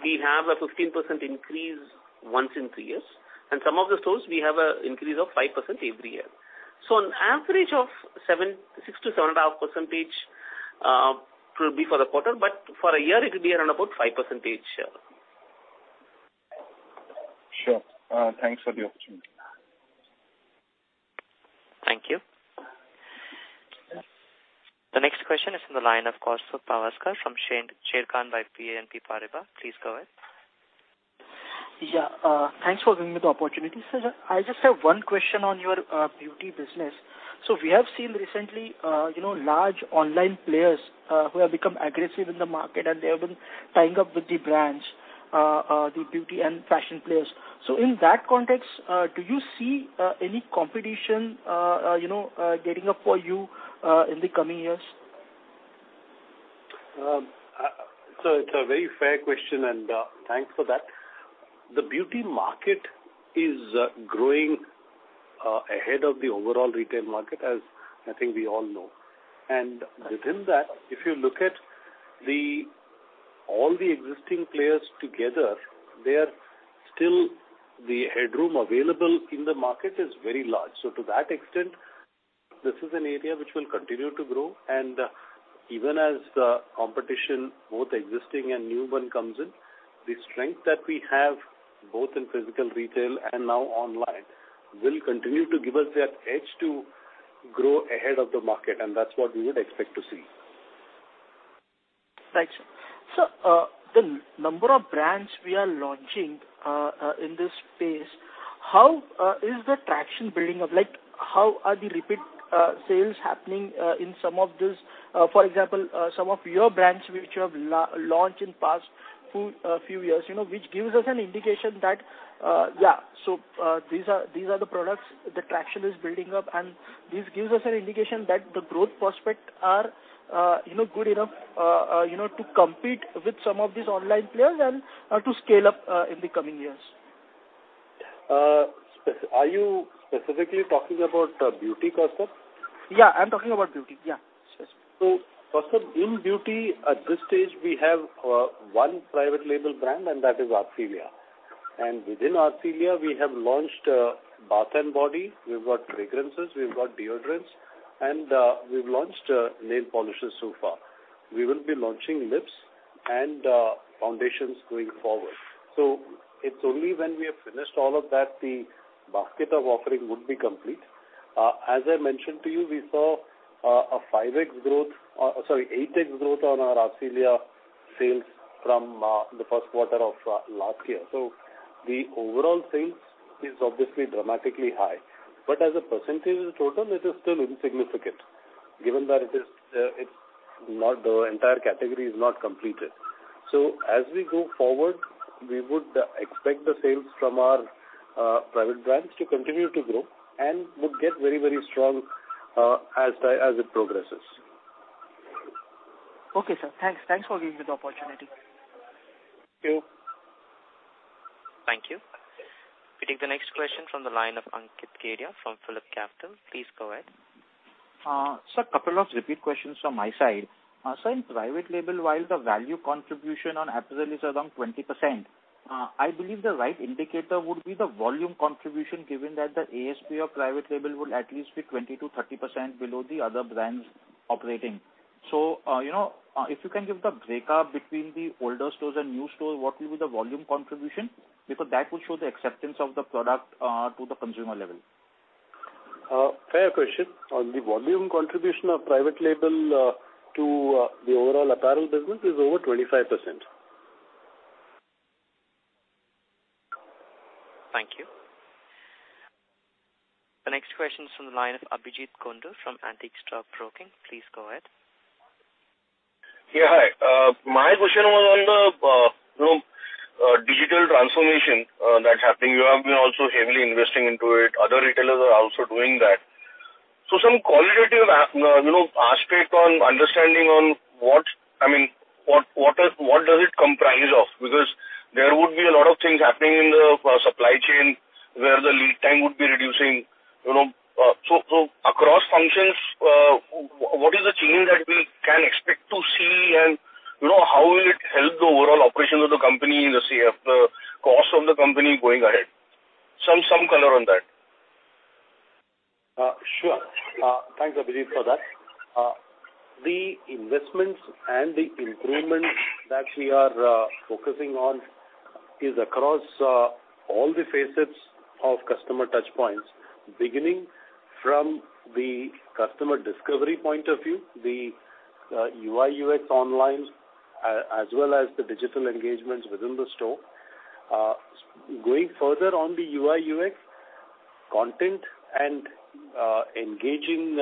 we have a 15% increase once in three years, and some of the stores we have an increase of 5% every year. An average of 6%-7% will be for the quarter, but for a year it will be around about 5%. Sure. Thanks for the opportunity. Thank you. The next question is from the line of Kaustubh Pawaskar from Sharekhan by BNP Paribas. Please go ahead. Yeah, thanks for giving me the opportunity. Sir, I just have one question on your beauty business. We have seen recently, you know, large online players who have become aggressive in the market and they have been tying up with the brands, the beauty and fashion players. In that context, do you see any competition, you know, heating up for you in the coming years? It's a very fair question, and thanks for that. The beauty market is growing ahead of the overall retail market, as I think we all know. Within that, if you look at all the existing players together, there is still headroom available in the market, which is very large. To that extent, this is an area which will continue to grow. Even as the competition, both existing and new ones, come in, the strength that we have both in physical retail and now online, will continue to give us that edge to grow ahead of the market, and that's what we would expect to see. Right. The number of brands we are launching in this space, how is the traction building up? Like, how are the repeat sales happening in some of this, for example, some of your brands which you have launched in past few years, you know, which gives us an indication that these are the products, the traction is building up, and this gives us an indication that the growth prospects are, you know, good enough, you know, to compete with some of these online players and to scale up in the coming years. Are you specifically talking about beauty, Kaustubh? Yeah, I'm talking about beauty. Yeah. Yes, yes. Kaustubh, in beauty at this stage, we have one private label brand, and that is Arcelia. Within Arcelia we have launched bath and body, we've got fragrances, we've got deodorants, and we've launched nail polishes so far. We will be launching lips and foundations going forward. It's only when we have finished all of that, the basket of offering would be complete. As I mentioned to you, we saw 8x growth on our Arcelia sales from the first quarter of last year. The overall sales is obviously dramatically high, but as a percentage of the total it is still insignificant given that it is, it's not the entire category is not completed. As we go forward, we would expect the sales from our private brands to continue to grow and would get very, very strong, as it progresses. Okay, sir. Thanks for giving me the opportunity. Thank you. Thank you. We take the next question from the line of Ankit Kedia from PhillipCapital. Please go ahead. Sir, couple of repeat questions from my side. In private label, while the value contribution on apparel is around 20%, I believe the right indicator would be the volume contribution, given that the ASP of private label would at least be 20%-30% below the other brands operating. You know, if you can give the breakup between the older stores and new stores, what will be the volume contribution? Because that will show the acceptance of the product to the consumer level. Fair question. On the volume contribution of private label to the overall apparel business is over 25%. Thank you. The next question is from the line of Abhijeet Kundu from Antique Stock Broking. Please go ahead. Yeah, hi. My question was on the, you know, digital transformation that's happening. You have been also heavily investing into it. Other retailers are also doing that. Some qualitative, you know, aspect on understanding on what I mean, what does it comprise of? Because there would be a lot of things happening in the supply chain where the lead time would be reducing, you know. Across functions, what is the change that we can expect to see and, you know, how will it help the overall operation of the company, the CapEx, the cost of the company going ahead? Some color on that. Sure. Thanks, Abhijeet, for that. The investments and the improvements that we are focusing on is across all the facets of customer touch points, beginning from the customer discovery point of view, the UI/UX online, as well as the digital engagements within the store. Going further on the UI/UX content and engaging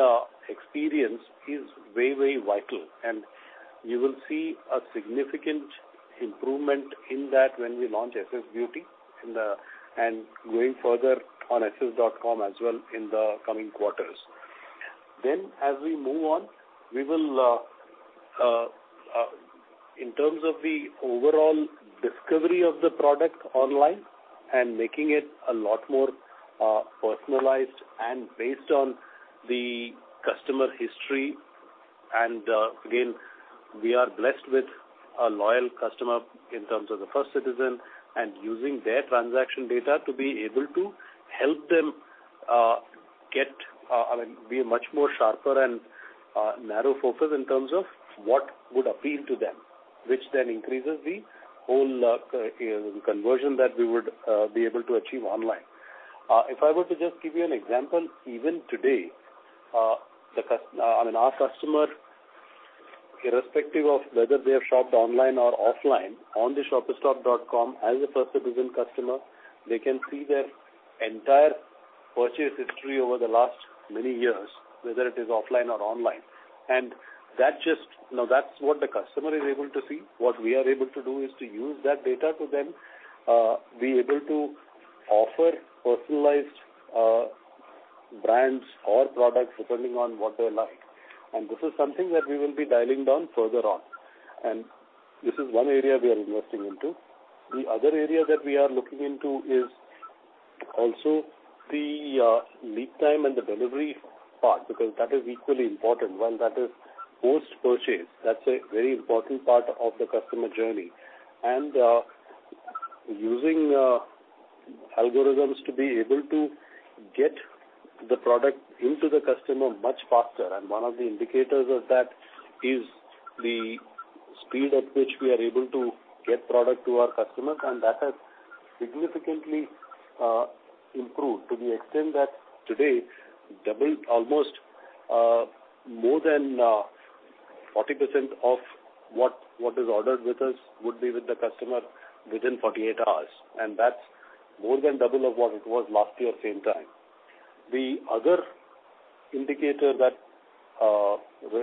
experience is very, very vital, and you will see a significant improvement in that when we launch SS Beauty and going further on ss.com as well in the coming quarters. As we move on, we will, in terms of the overall discovery of the product online and making it a lot more, personalized and based on the customer history, and, again, we are blessed with a loyal customer in terms of the First Citizen and using their transaction data to be able to help them, get, I mean, be a much more sharper and, narrow focus in terms of what would appeal to them, which then increases the whole, conversion that we would, be able to achieve online. If I were to just give you an example, even today, I mean, our customer, irrespective of whether they have shopped online or offline on the shoppersstop.com as a First Citizen customer, they can see their entire purchase history over the last many years, whether it is offline or online. That just, you know, that's what the customer is able to see. What we are able to do is to use that data to then be able to offer personalized brands or products depending on what they like. This is something that we will be dialing down further on, and this is one area we are investing into. The other area that we are looking into is also the lead time and the delivery part, because that is equally important. One that is post-purchase, that's a very important part of the customer journey. Using algorithms to be able to get the product into the customer much faster, and one of the indicators of that is the speed at which we are able to get product to our customers, and that has significantly improved to the extent that today double almost more than 40% of what is ordered with us would be with the customer within 48 hours, and that's more than double of what it was last year same time. The other indicator that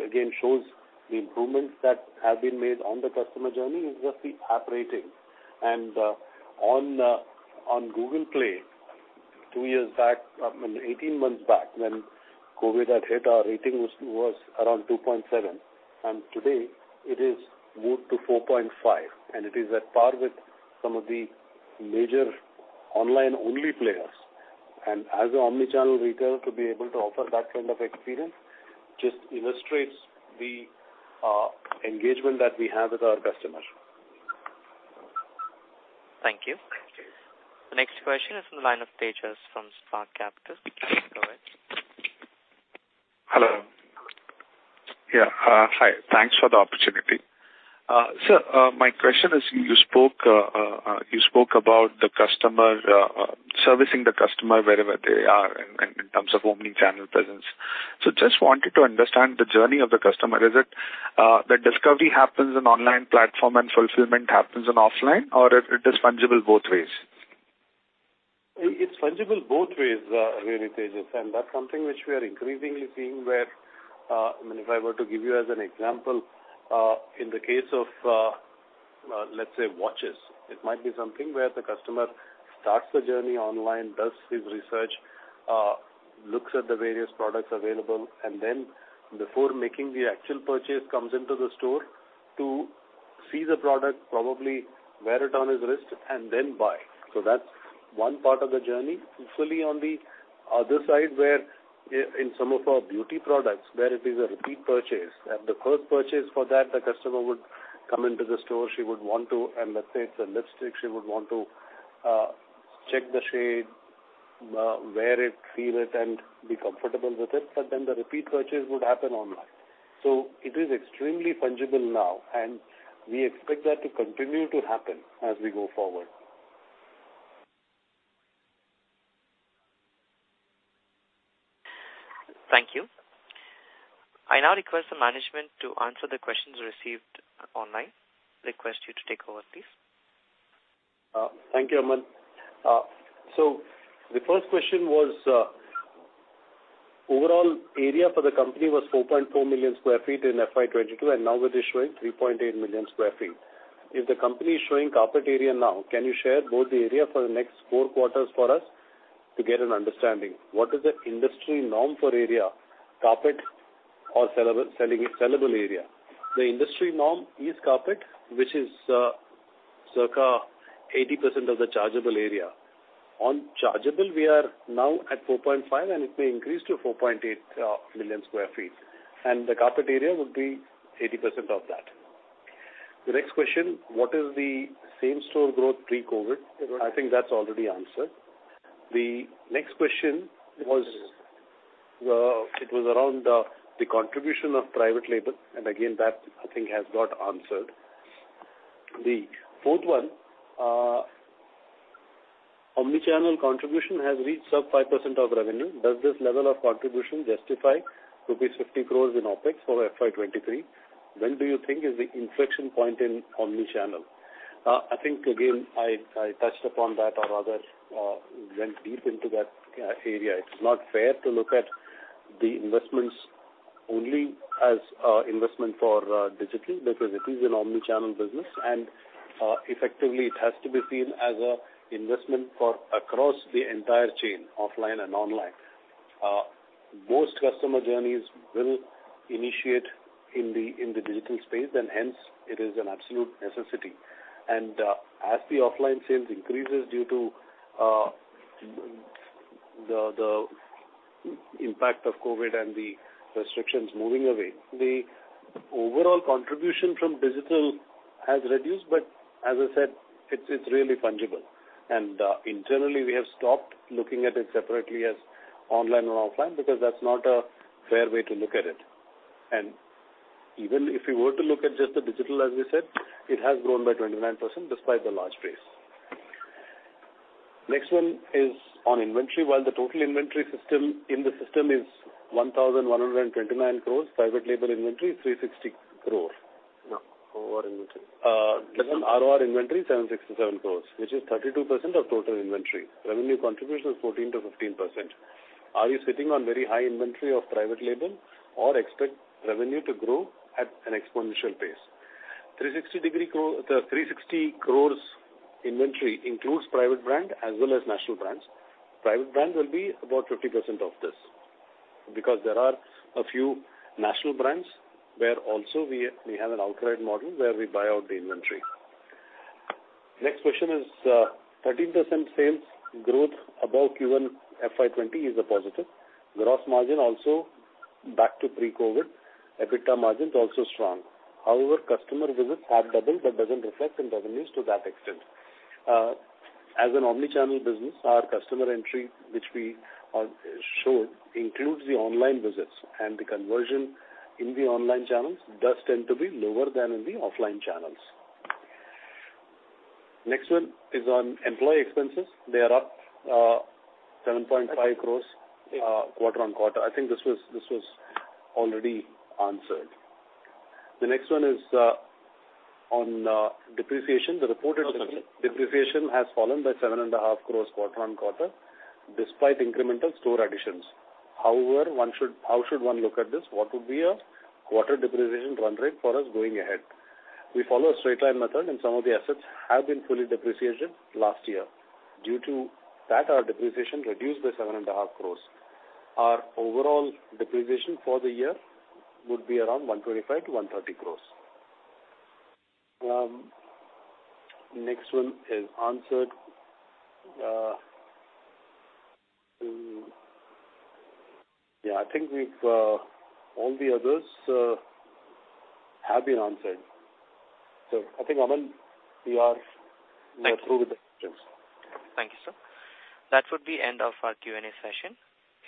again shows the improvements that have been made on the customer journey is just the app rating. On Google Play, two years back, I mean 18 months back when COVID had hit, our rating was around 2.7, and today it is moved to 4.5, and it is at par with some of the major online-only players. As an omni-channel retailer to be able to offer that kind of experience just illustrates the engagement that we have with our customers. Thank you. The next question is from the line of Tejas from Spark Capital. Go ahead. Hello. Hi. Thanks for the opportunity. My question is you spoke about the customer, servicing the customer wherever they are in terms of omni-channel presence. Just wanted to understand the journey of the customer. Is it the discovery happens in online platform and fulfillment happens in offline or it is fungible both ways? It's fungible both ways, really, Tejas, and that's something which we are increasingly seeing where, I mean, if I were to give you as an example, in the case of, let's say, watches, it might be something where the customer starts the journey online, does his research, looks at the various products available, and then before making the actual purchase, comes into the store to see the product, probably wear it on his wrist and then buy. That's one part of the journey. Similarly, on the other side, where in some of our beauty products, where it is a repeat purchase, at the first purchase for that, the customer would come into the store. She would want to, and let's say it's a lipstick, she would want to, check the shade, wear it, feel it, and be comfortable with it. The repeat purchase would happen online. It is extremely fungible now, and we expect that to continue to happen as we go forward. Thank you. I now request the management to answer the questions received online. Request you to take over, please. Thank you, Aman. So the first question was, overall area for the company was 4.4 million sq ft in FY 2022, and now we're showing 3.8 million sq ft. If the company is showing carpet area now, can you share both the area for the next four quarters for us to get an understanding? What is the industry norm for area, carpet or sellable area? The industry norm is carpet, which is circa 80% of the chargeable area. On chargeable, we are now at 4.5 million sq ft, and it may increase to 4.8 million sq ft, and the carpet area would be 80% of that. The next question, what is the same-store growth pre-COVID? I think that's already answered. The next question was, it was around the contribution of private label, and again, that, I think, has got answered. The fourth one, omni-channel contribution has reached sub 5% of revenue. Does this level of contribution justify rupees 50 crore in OpEx for FY 2023? When do you think is the inflection point in omni-channel? I think, again, I touched upon that or rather, went deep into that, area. It's not fair to look at the investments only as investment for digital because it is an omni-channel business, and, effectively, it has to be seen as a investment for across the entire chain, offline and online. Most customer journeys will initiate in the digital space, and hence it is an absolute necessity. As the offline sales increases due to the impact of COVID and the restrictions moving away, the overall contribution from digital has reduced. As I said, it's really fungible. Internally, we have stopped looking at it separately as online or offline because that's not a fair way to look at it. Even if we were to look at just the digital, as we said, it has grown by 29% despite the large base. Next one is on inventory. While the total inventory in the system is 1,129 crore, private label inventory is 360 crore. SOR inventory 767 crore, which is 32% of total inventory. Revenue contribution is 14%-15%. Are you sitting on very high inventory of private label or expect revenue to grow at an exponential pace? 360 crore inventory includes private brand as well as national brands. Private brand will be about 50% of this because there are a few national brands where also we have an outright model where we buy out the inventory. Next question is, 13% sales growth above Q1 FY 2020 is a positive. Gross margin also back to pre-COVID. EBITDA margin is also strong. However, customer visits have doubled, but doesn't reflect in revenues to that extent. As an omni-channel business, our customer entry, which we showed, includes the online visits. The conversion in the online channels does tend to be lower than in the offline channels. Next one is on employee expenses. They are up, 7.5 crore QoQ. I think this was already answered. The next one is on depreciation. The reported depreciation has fallen by 7.5 crore QoQ despite incremental store additions. However, how should one look at this? What would be a quarter depreciation run rate for us going ahead? We follow a straight-line method, and some of the assets have been fully depreciated last year. Due to that, our depreciation reduced by 7.5 crore. Our overall depreciation for the year would be around 125 crore-INR130 crore. Next one is answered. Yeah, I think we've all the others have been answered. I think, Aman, we are. We are through with the questions. Thank you, sir. That would be end of our Q&A session.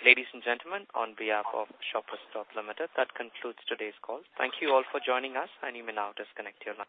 Ladies and gentlemen, on behalf of Shoppers Stop Limited, that concludes today's call. Thank you all for joining us, and you may now disconnect your lines.